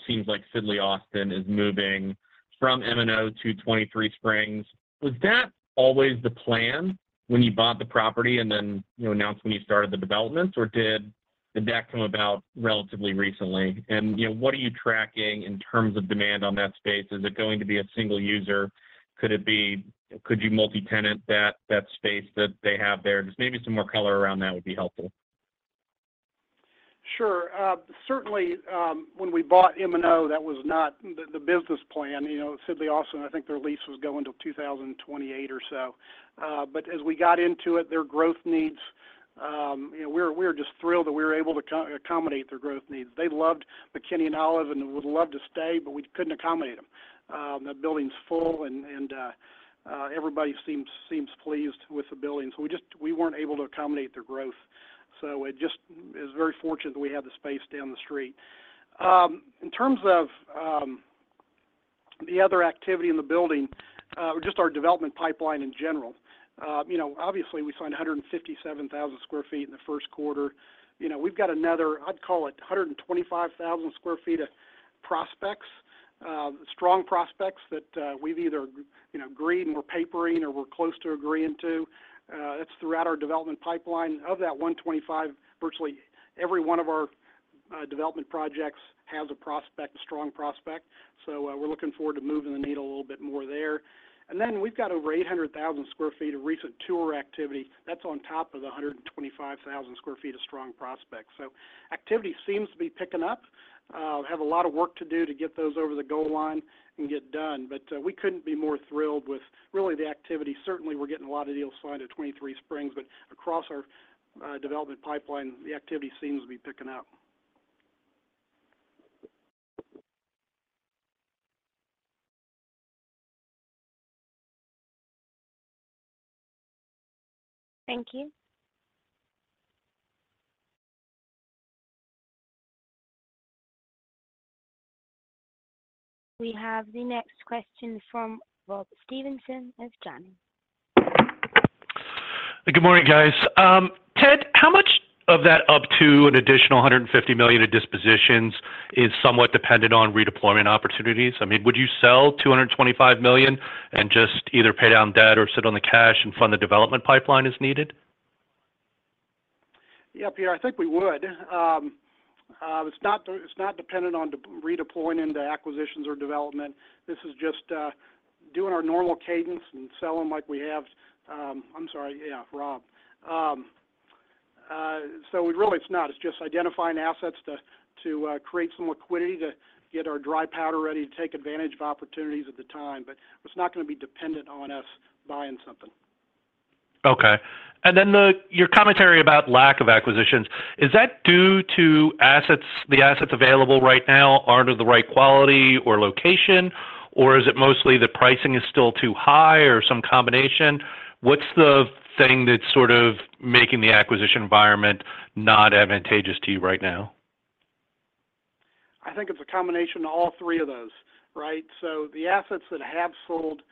Seems like Sidley Austin is moving from M&O to 23 Springs. Was that always the plan when you bought the property and then, you know, announced when you started the developments, or did that come about relatively recently? And, you know, what are you tracking in terms of demand on that space? Is it going to be a single user? Could it be? Could you multi-tenant that, that space that they have there? Just maybe some more color around that would be helpful. Sure. Certainly, when we bought M&O, that was not the business plan. You know, Sidley Austin, I think their lease was going till 2028 or so. But as we got into it, their growth needs, you know, we were just thrilled that we were able to accommodate their growth needs. They loved McKinney and Olive and would love to stay, but we couldn't accommodate them. That building's full and everybody seems pleased with the building. So we just - we weren't able to accommodate their growth. So it just is very fortunate that we have the space down the street. In terms of the other activity in the building, just our development pipeline in general, you know, obviously, we signed 157,000 sq ft in the first quarter. You know, we've got another, I'd call it 125,000 sq ft of prospects, strong prospects that, we've either, you know, agreed, and we're papering or we're close to agreeing to. It's throughout our development pipeline. Of that 125,000, virtually every one of our development projects has a prospect, a strong prospect. So, we're looking forward to moving the needle a little bit more there. And then we've got over 800,000 sq ft of recent tour activity. That's on top of the 125,000 sq ft of strong prospects. So activity seems to be picking up. We have a lot of work to do to get those over the goal line and get done, but, we couldn't be more thrilled with really the activity. Certainly, we're getting a lot of deals signed at 23Springs, but across our development pipeline, the activity seems to be picking up. Thank you. We have the next question from Rob Stevenson of Janney.... Good morning, guys. Ted, how much of that up to an additional $150 million of dispositions is somewhat dependent on redeployment opportunities? I mean, would you sell $225 million and just either pay down debt or sit on the cash and fund the development pipeline as needed? Yeah, Peter, I think we would. It's not, it's not dependent on redeploying into acquisitions or development. This is just doing our normal cadence and selling like we have. I'm sorry, yeah, Rob. So we really it's not. It's just identifying assets to create some liquidity to get our dry powder ready to take advantage of opportunities at the time, but it's not going to be dependent on us buying something. Okay. And then your commentary about lack of acquisitions, is that due to assets, the assets available right now aren't of the right quality or location, or is it mostly the pricing is still too high or some combination? What's the thing that's sort of making the acquisition environment not advantageous to you right now? I think it's a combination of all three of those, right? So the assets that have sold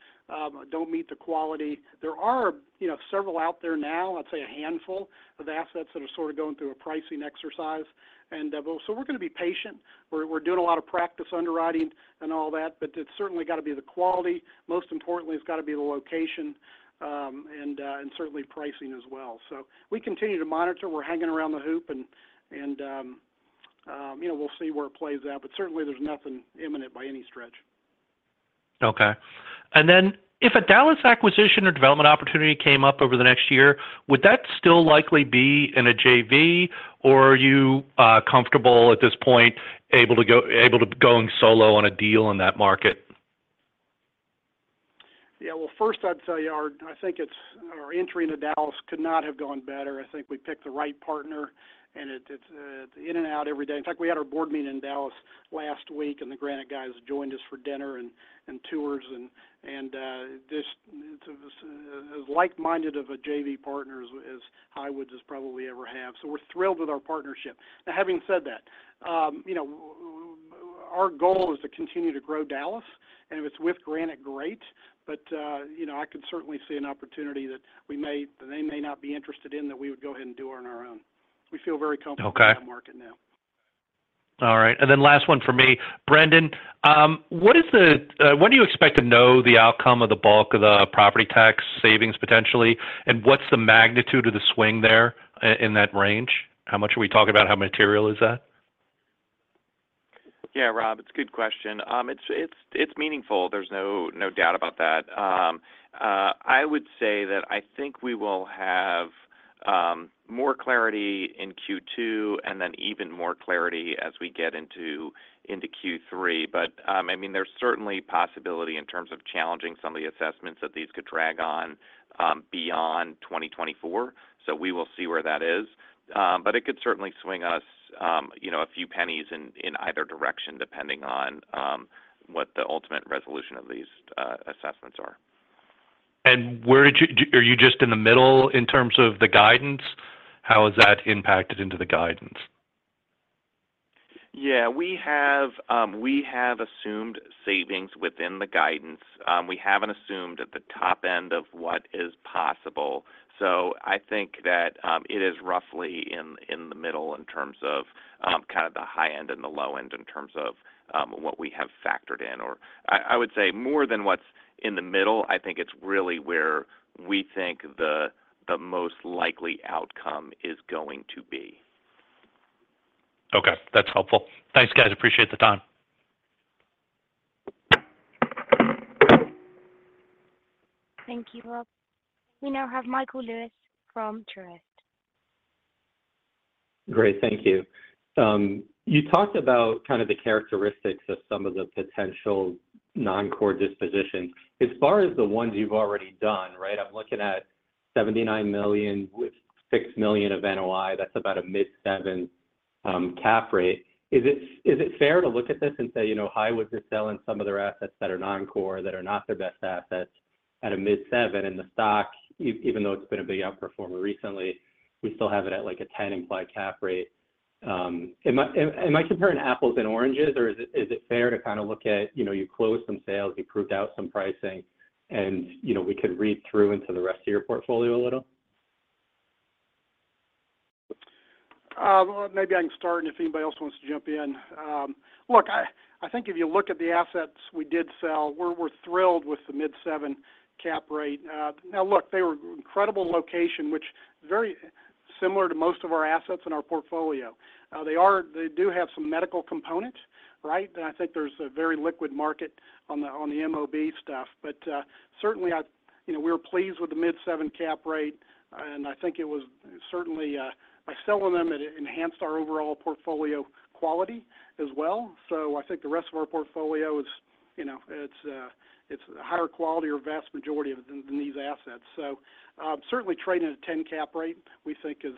don't meet the quality. There are, you know, several out there now, I'd say a handful of assets that are sort of going through a pricing exercise. And, well, so we're going to be patient. We're doing a lot of practice underwriting and all that, but it's certainly got to be the quality. Most importantly, it's got to be the location, and certainly pricing as well. So we continue to monitor, we're hanging around the hoop and, you know, we'll see where it plays out, but certainly there's nothing imminent by any stretch. Okay. And then if a Dallas acquisition or development opportunity came up over the next year, would that still likely be in a JV, or are you comfortable at this point, able to go solo on a deal in that market? Yeah. Well, first, I'd tell you, our entry into Dallas could not have gone better. I think we picked the right partner, and it's in and out every day. In fact, we had our board meeting in Dallas last week, and the Granite guys joined us for dinner and tours and just as like-minded of a JV partner as Highwoods has probably ever have. So we're thrilled with our partnership. Now, having said that, you know, our goal is to continue to grow Dallas, and if it's with Granite, great. But you know, I could certainly see an opportunity that they may not be interested in, that we would go ahead and do on our own. We feel very comfortable- Okay. in that market now. All right. And then last one for me. Brendan, when do you expect to know the outcome of the bulk of the property tax savings, potentially? And what's the magnitude of the swing there in that range? How much are we talking about? How material is that? Yeah, Rob, it's a good question. It's meaningful, there's no doubt about that. I would say that I think we will have more clarity in Q2, and then even more clarity as we get into Q3. But I mean, there's certainly possibility in terms of challenging some of the assessments that these could drag on beyond 2024. So we will see where that is. But it could certainly swing us, you know, a few pennies in either direction, depending on what the ultimate resolution of these assessments are. Where did you- are you just in the middle in terms of the guidance? How has that impacted into the guidance? Yeah, we have, we have assumed savings within the guidance. We haven't assumed at the top end of what is possible. So I think that it is roughly in the middle in terms of kind of the high end and the low end in terms of what we have factored in, or I would say, more than what's in the middle. I think it's really where we think the most likely outcome is going to be. Okay. That's helpful. Thanks, guys. Appreciate the time. Thank you, Rob. We now have Michael Lewis from Truist. Great. Thank you. You talked about kind of the characteristics of some of the potential noncore dispositions. As far as the ones you've already done, right, I'm looking at $79 million, with $6 million of NOI, that's about a mid-seven cap rate. Is it fair to look at this and say, you know, Highwoods is selling some of their assets that are noncore, that are not their best assets at a mid-seven, and the stock, even though it's been a big outperformer recently, we still have it at, like, a 10 implied cap rate. Am I comparing apples and oranges, or is it fair to kind of look at, you know, you closed some sales, you proved out some pricing and, you know, we could read through into the rest of your portfolio a little? Maybe I can start, and if anybody else wants to jump in. Look, I think if you look at the assets we did sell, we're thrilled with the mid-7% cap rate. Now, look, they were incredible location, which very similar to most of our assets in our portfolio. They do have some medical component, right? And I think there's a very liquid market on the MOB stuff. But certainly, you know, we're pleased with the mid-7% cap rate, and I think it was certainly by selling them, it enhanced our overall portfolio quality as well. So I think the rest of our portfolio is, you know, it's a higher quality or vast majority of it than these assets. So certainly trading at a 10% cap rate, we think is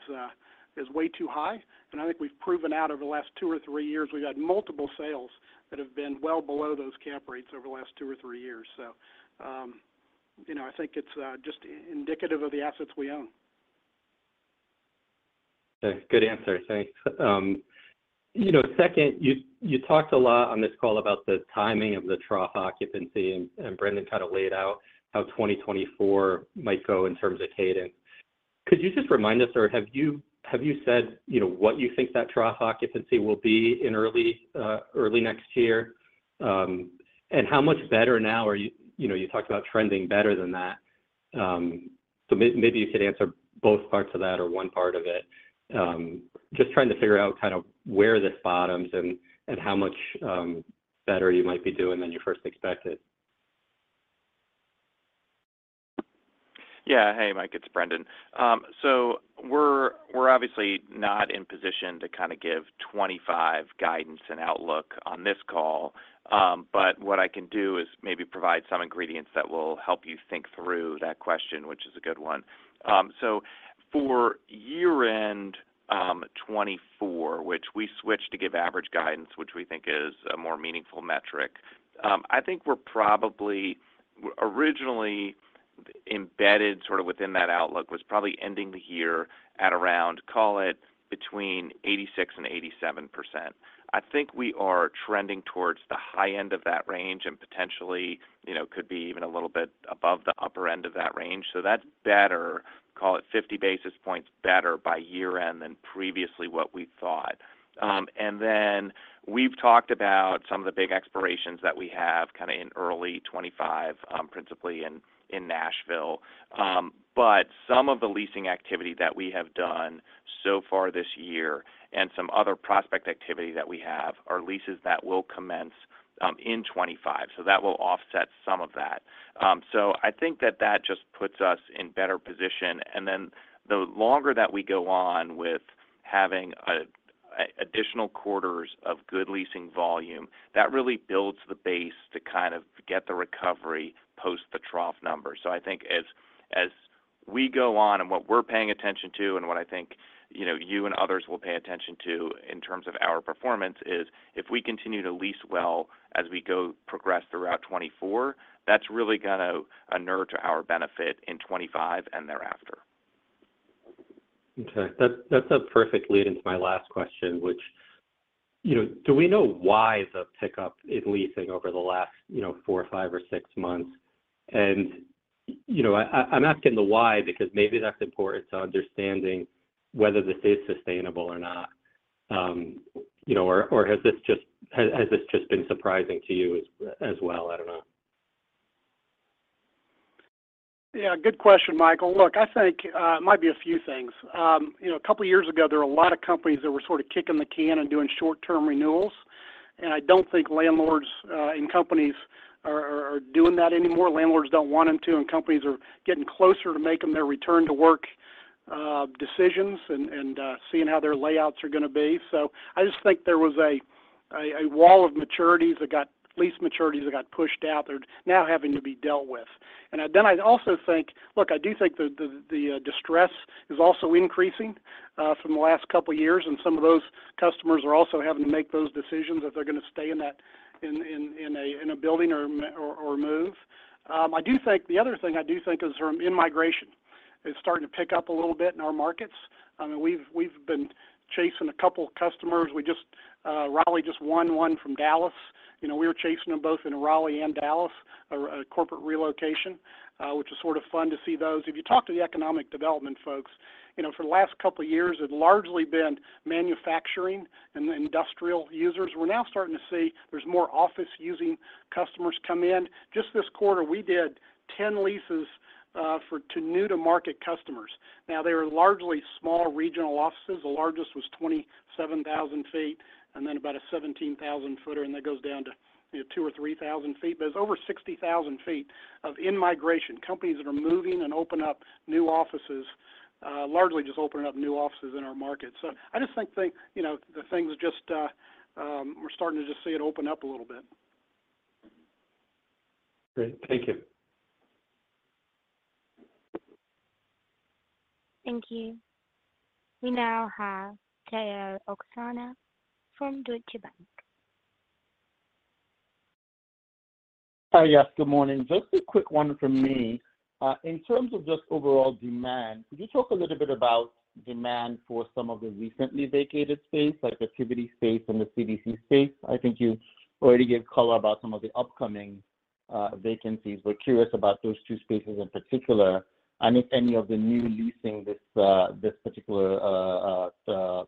way too high. I think we've proven out over the last two or three years, we've had multiple sales that have been well below those cap rates over the last two or three years. So, you know, I think it's just indicative of the assets we own. ... Good answer. Thanks. You know, second, you talked a lot on this call about the timing of the trough occupancy, and Brendan kind of laid out how 2024 might go in terms of cadence. Could you just remind us, or have you said, you know, what you think that trough occupancy will be in early next year? And how much better now are you? You know, you talked about trending better than that. So maybe you could answer both parts of that or one part of it. Just trying to figure out kind of where this bottoms and how much better you might be doing than you first expected. Yeah. Hey, Mike, it's Brendan. So we're obviously not in position to kind of give 25 guidance and outlook on this call. But what I can do is maybe provide some ingredients that will help you think through that question, which is a good one. So for year-end 2024, which we switched to give average guidance, which we think is a more meaningful metric, I think we're probably originally embedded sort of within that outlook, was probably ending the year at around, call it, between 86% and 87%. I think we are trending towards the high end of that range and potentially, you know, could be even a little bit above the upper end of that range. So that's better, call it 50 basis points better by year-end than previously what we thought. And then we've talked about some of the big expirations that we have kind of in early 2025, principally in Nashville. But some of the leasing activity that we have done so far this year and some other prospect activity that we have are leases that will commence in 2025. So that will offset some of that. So I think that that just puts us in better position. And then the longer that we go on with having additional quarters of good leasing volume, that really builds the base to kind of get the recovery post the trough number. I think as we go on and what we're paying attention to and what I think, you know, you and others will pay attention to in terms of our performance, is if we continue to lease well as we go progress throughout 2024, that's really going to inure to our benefit in 2025 and thereafter. Okay. That's a perfect lead into my last question, which, you know, do we know why the pickup in leasing over the last, you know, four, five or six months? And, you know, I'm asking the why because maybe that's important to understanding whether this is sustainable or not. You know, or has this just been surprising to you as well? I don't know. Yeah, good question, Michael. Look, I think it might be a few things. You know, a couple of years ago, there were a lot of companies that were sort of kicking the can and doing short-term renewals, and I don't think landlords and companies are doing that anymore. Landlords don't want them to, and companies are getting closer to making their return-to-work decisions and seeing how their layouts are going to be. So I just think there was a wall of lease maturities that got pushed out, they're now having to be dealt with. And then I'd also think... Look, I do think the distress is also increasing from the last couple of years, and some of those customers are also having to make those decisions if they're going to stay in that building or move. I do think the other thing I do think is from in-migration. It's starting to pick up a little bit in our markets. I mean, we've been chasing a couple of customers. We just Raleigh just won one from Dallas. You know, we were chasing them both in Raleigh and Dallas, a corporate relocation, which is sort of fun to see those. If you talk to the economic development folks, you know, for the last couple of years, it's largely been manufacturing and industrial users. We're now starting to see there's more office-using customers come in. Just this quarter, we did 10 leases for to new-to-market customers. Now, they were largely small regional offices. The largest was 27,000 sq ft, and then about a 17,000 sq ft footer, and that goes down to, you know, 2,000 or 3,000 sq ft. But it's over 60,000 sq ft of in-migration. Companies that are moving and opening up new offices, largely just opening up new offices in our market. So I just think, you know, we're starting to just see it open up a little bit. Great. Thank you. Thank you. We now have Tayo Okusanya from Deutsche Bank. Hi. Yes, good morning. Just a quick one from me. In terms of just overall demand, could you talk a little bit about demand for some of the recently vacated space, like the Tivity space and the CDC space? I think you already gave color about some of the upcoming vacancies. We're curious about those two spaces in particular, and if any of the new leasing this particular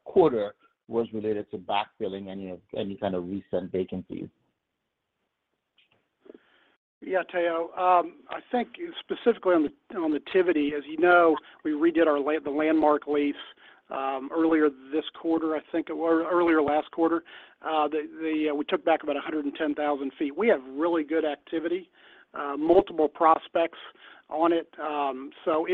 quarter was related to backfilling any of, any kind of recent vacancies. Yeah, Tayo, I think specifically on the Tivity, as you know, we redid the landmark lease earlier this quarter. I think it was earlier last quarter. We took back about 110,000 sq ft. We have really good activity, multiple prospects on it. So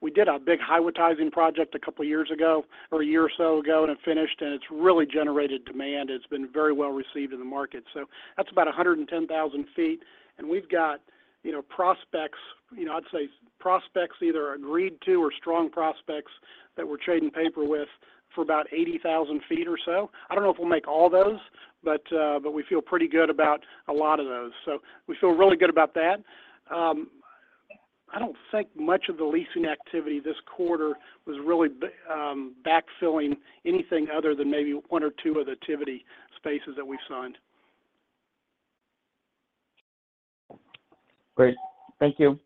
we did a big highway tiling project a couple of years ago or a year or so ago, and it finished, and it's really generated demand. It's been very well received in the market. So that's about 110,000 sq ft, and we've got, you know, prospects, you know, I'd say prospects either agreed to or strong prospects that we're trading paper with for about 80,000 sq ft or so. I don't know if we'll make all those, but, but we feel pretty good about a lot of those. So we feel really good about that. I don't think much of the leasing activity this quarter was really backfilling anything other than maybe one or two of the Tivity spaces that we've signed. Great. Thank you.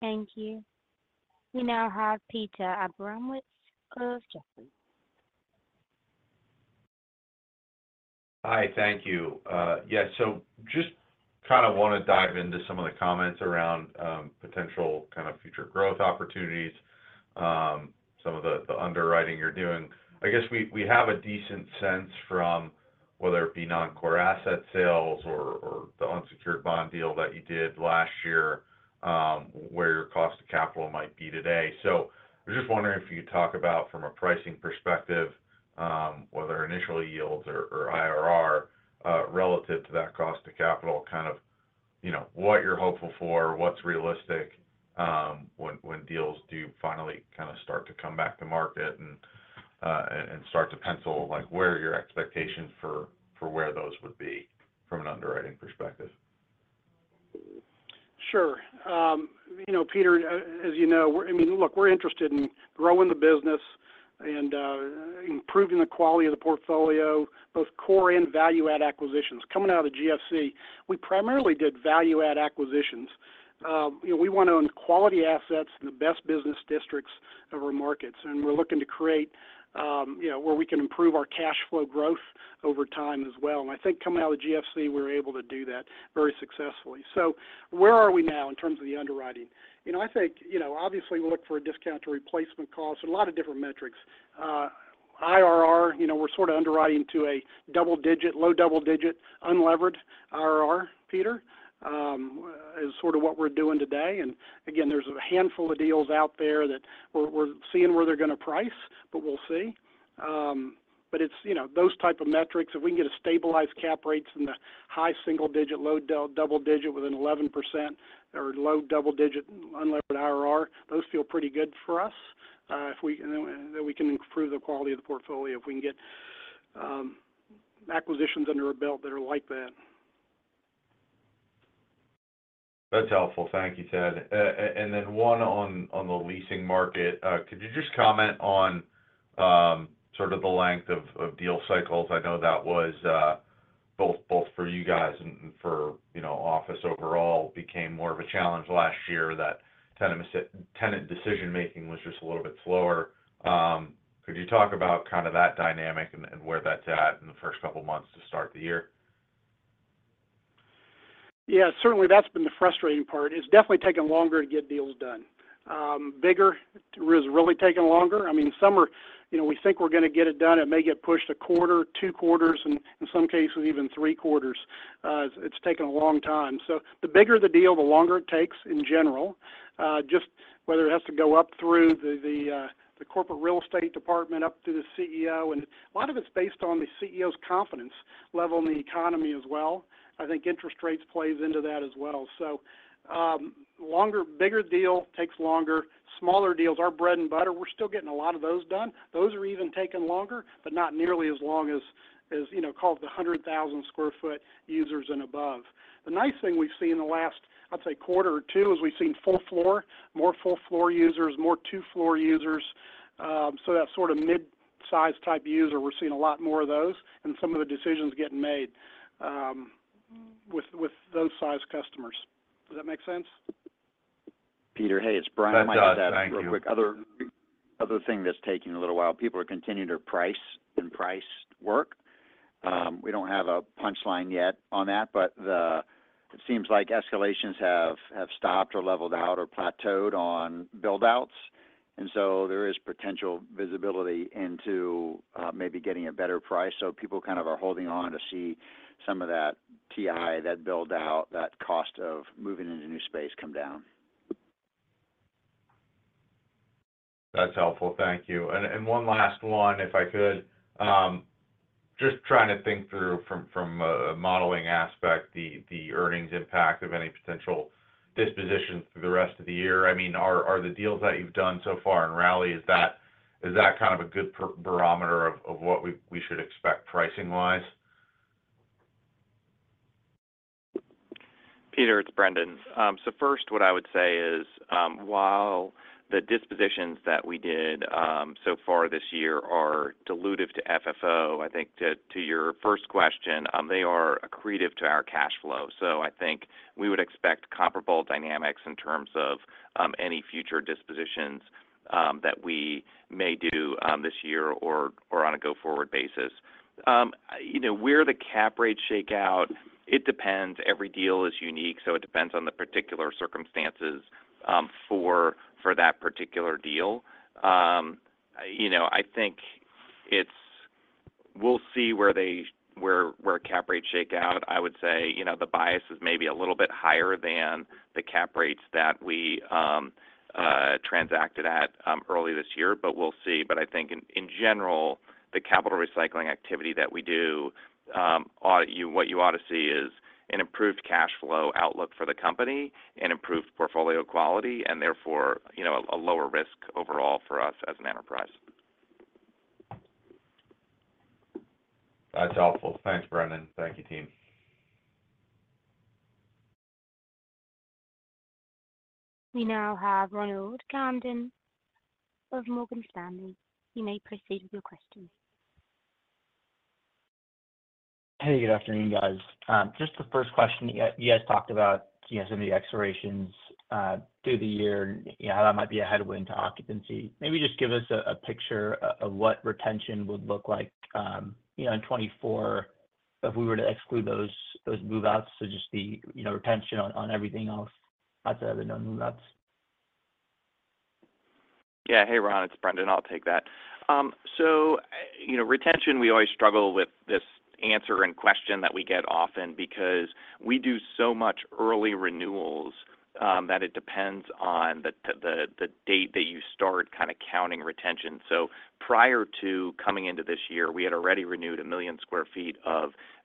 Thank you. We now have Peter Abramowitz of Jefferies. Hi, thank you. Yeah, so just kind of wanna dive into some of the comments around potential kind of future growth opportunities, some of the underwriting you're doing. I guess we have a decent sense from, whether it be non-core asset sales or the unsecured bond deal that you did last year, where your cost of capital might be today. So I was just wondering if you could talk about, from a pricing perspective, whether initial yields or IRR relative to that cost of capital, kind of, you know, what you're hopeful for, what's realistic, when deals do finally kind of start to come back to market and start to pencil, like, where are your expectations for where those would be from an underwriting perspective? Sure. You know, Peter, as you know, we're—I mean, look, we're interested in growing the business and improving the quality of the portfolio, both core and value-add acquisitions. Coming out of the GFC, we primarily did value-add acquisitions. You know, we want to own quality assets in the best business districts of our markets, and we're looking to create, you know, where we can improve our cash flow growth over time as well. I think coming out of GFC, we were able to do that very successfully. So where are we now in terms of the underwriting? You know, I think, you know, obviously, we look for a discount to replacement costs, a lot of different metrics. IRR, you know, we're sort of underwriting to a double digit, low double digit, unlevered IRR, Peter, is sort of what we're doing today. Again, there's a handful of deals out there that we're seeing where they're gonna price, but we'll see. But it's, you know, those type of metrics, if we can get a stabilized cap rates in the high single digit, low double digit within 11% or low double digit unlevered IRR, those feel pretty good for us. If we... And then we can improve the quality of the portfolio, if we can get acquisitions under our belt that are like that. That's helpful. Thank you, Ted. And then one on the leasing market. Could you just comment on sort of the length of deal cycles? I know that was both for you guys and for, you know, office overall, became more of a challenge last year, that tenant decision-making was just a little bit slower. Could you talk about kind of that dynamic and where that's at in the first couple of months to start the year? Yeah, certainly that's been the frustrating part. It's definitely taking longer to get deals done. Bigger is really taking longer. I mean, some are—you know, we think we're gonna get it done, it may get pushed a quarter, two quarters, and in some cases, even three quarters. It's taking a long time. So the bigger the deal, the longer it takes in general, just whether it has to go up through the corporate real estate department, up to the CEO. And a lot of it's based on the CEO's confidence level in the economy as well. I think interest rates plays into that as well. So, longer, bigger deal takes longer. Smaller deals, our bread and butter, we're still getting a lot of those done. Those are even taking longer, but not nearly as long as, you know, call it the 100,000 sq ft users and above. The nice thing we've seen in the last, I'd say, quarter or two, is we've seen full floor, more full floor users, more two floor users. So that sort of mid-size type user, we're seeing a lot more of those, and some of the decisions getting made with those size customers. Does that make sense? Peter, hey, it's Brian- That does. Thank you. I might add real quick. Other, other thing that's taking a little while, people are continuing to price and price work. We don't have a punchline yet on that, but the- it seems like escalations have, have stopped or leveled out or plateaued on build-outs, and so there is potential visibility into, maybe getting a better price. So people kind of are holding on to see some of that TI, that build-out, that cost of moving into new space come down. That's helpful. Thank you. And one last one, if I could. Just trying to think through from a modeling aspect, the earnings impact of any potential dispositions through the rest of the year. I mean, are the deals that you've done so far in Raleigh, is that kind of a good barometer of what we should expect pricing-wise? Peter, it's Brendan. So first, what I would say is, while the dispositions that we did so far this year are dilutive to FFO, I think to your first question, they are accretive to our cash flow. So I think we would expect comparable dynamics in terms of any future dispositions that we may do this year or on a go-forward basis. You know, where the cap rates shake out, it depends. Every deal is unique, so it depends on the particular circumstances for that particular deal. You know, I think we'll see where cap rates shake out. I would say, you know, the bias is maybe a little bit higher than the cap rates that we transacted at early this year, but we'll see. But I think in general, the capital recycling activity that we do, what you ought to see is an improved cash flow outlook for the company, an improved portfolio quality, and therefore, you know, a lower risk overall for us as an enterprise.... That's helpful. Thanks, Brendan. Thank you, team. We now have Ronald Kamdem of Morgan Stanley. You may proceed with your question. Hey, good afternoon, guys. Just the first question, you guys talked about, you know, some of the expirations through the year, and, you know, how that might be a headwind to occupancy. Maybe just give us a picture of what retention would look like, you know, in 2024, if we were to exclude those move-outs, so just the, you know, retention on everything else outside of the known move-outs. Yeah. Hey, Ron, it's Brendan. I'll take that. So, you know, retention, we always struggle with this answer and question that we get often because we do so much early renewals, that it depends on the date that you start kind of counting retention. So prior to coming into this year, we had already renewed 1 million sq ft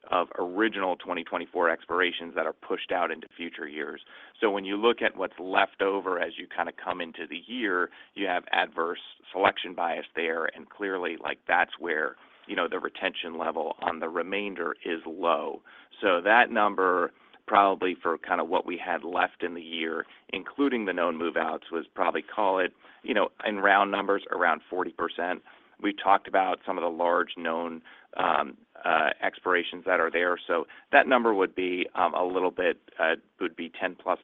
of original 2024 expirations that are pushed out into future years. So when you look at what's left over as you kind of come into the year, you have adverse selection bias there, and clearly, like, that's where, you know, the retention level on the remainder is low. So that number, probably for kind of what we had left in the year, including the known move-outs, was probably, call it, you know, in round numbers, around 40%. We talked about some of the large known expirations that are there. So that number would be a little bit 10+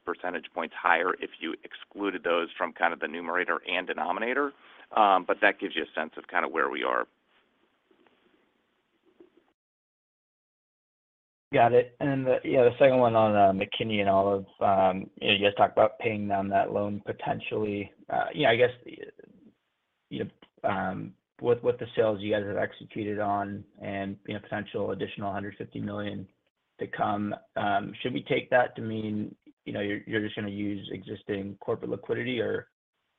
percentage points higher if you excluded those from kind of the numerator and denominator. But that gives you a sense of kind of where we are. Got it. And then the, yeah, the second one on McKinney & Olive. You know, you guys talked about paying down that loan potentially. You know, I guess, you, with, with the sales you guys have executed on and, you know, potential additional $150 million to come, should we take that to mean, you know, you're, you're just gonna use existing corporate liquidity, or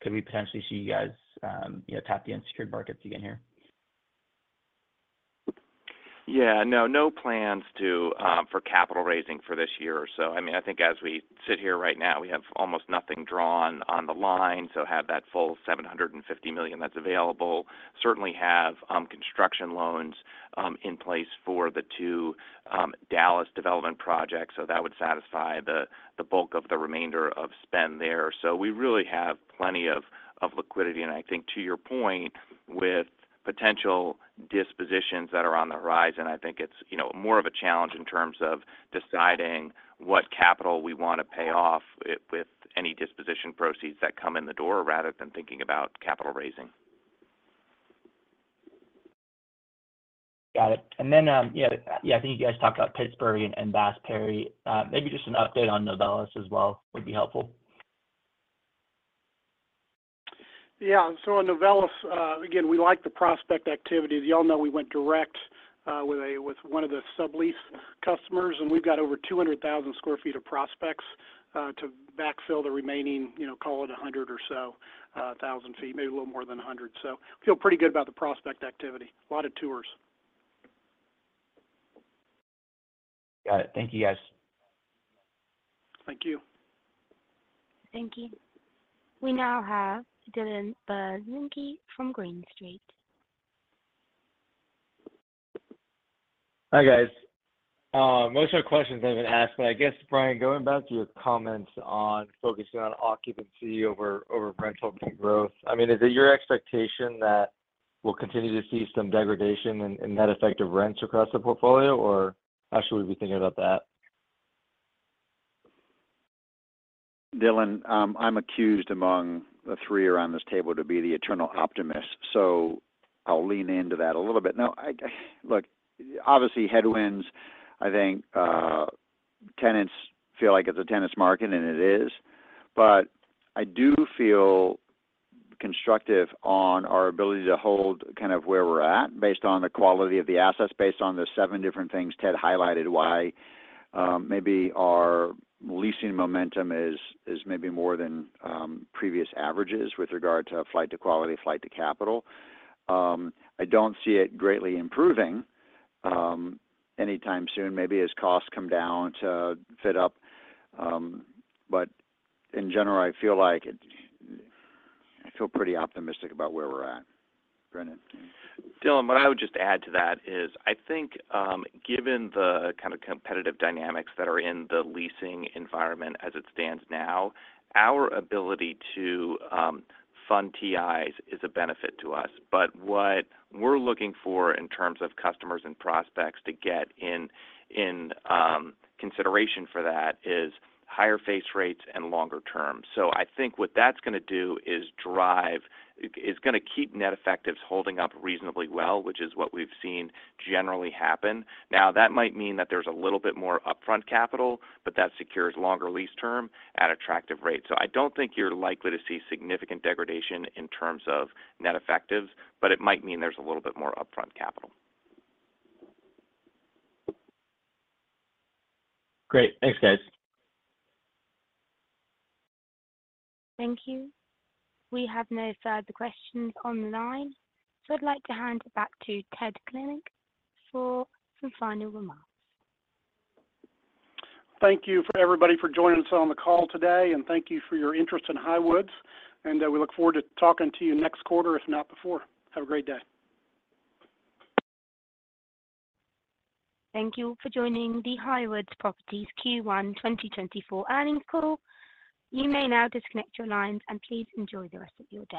could we potentially see you guys, you know, tap the unsecured markets again here? Yeah. No, no plans to, for capital raising for this year or so. I mean, I think as we sit here right now, we have almost nothing drawn on the line, so have that full $750 million that's available. Certainly have, construction loans, in place for the two, Dallas development projects, so that would satisfy the, the bulk of the remainder of spend there. So we really have plenty of, of liquidity. And I think to your point, with potential dispositions that are on the horizon, I think it's, you know, more of a challenge in terms of deciding what capital we want to pay off with any disposition proceeds that come in the door, rather than thinking about capital raising. Got it. And then, yeah, yeah, I think you guys talked about Pittsburgh and [Bass Pro]. Maybe just an update on Novelis as well would be helpful. Yeah. So on Novelis, again, we like the prospect activity. As you all know, we went direct, with one of the sublease customers, and we've got over 200,000 sq ft of prospects, to backfill the remaining, you know, call it 100 or so thousand sq ft, maybe a little more than 100. So feel pretty good about the prospect activity. A lot of tours. Got it. Thank you, guys. Thank you. Thank you. We now have Dylan Burzinski from Green Street. Hi, guys. Most of my questions have been asked, but I guess, Brian, going back to your comments on focusing on occupancy over rental fee growth, I mean, is it your expectation that we'll continue to see some degradation in net effect of rents across the portfolio, or how should we be thinking about that? Dylan, I'm accused among the three around this table to be the eternal optimist, so I'll lean into that a little bit. Now, look, obviously, headwinds, I think, tenants feel like it's a tenant's market, and it is. But I do feel constructive on our ability to hold kind of where we're at based on the quality of the assets, based on the seven different things Ted highlighted, why, maybe our leasing momentum is maybe more than previous averages with regard to flight to quality, flight to capital. I don't see it greatly improving, anytime soon, maybe as costs come down to fit up. But in general, I feel like it... I feel pretty optimistic about where we're at. Brendan? Dylan, what I would just add to that is, I think, given the kind of competitive dynamics that are in the leasing environment as it stands now, our ability to fund TIs is a benefit to us. But what we're looking for in terms of customers and prospects to get in consideration for that is higher face rates and longer term. So I think what that's gonna do is gonna keep net effectives holding up reasonably well, which is what we've seen generally happen. Now, that might mean that there's a little bit more upfront capital, but that secures longer lease term at attractive rates. So I don't think you're likely to see significant degradation in terms of net effectives, but it might mean there's a little bit more upfront capital. Great. Thanks, guys. Thank you. We have no further questions on the line, so I'd like to hand it back to Ted Klinck for some final remarks. Thank you for everybody for joining us on the call today, and thank you for your interest in Highwoods, and, we look forward to talking to you next quarter, if not before. Have a great day. Thank you for joining the Highwoods Properties Q1 2024 earnings call. You may now disconnect your lines, and please enjoy the rest of your day.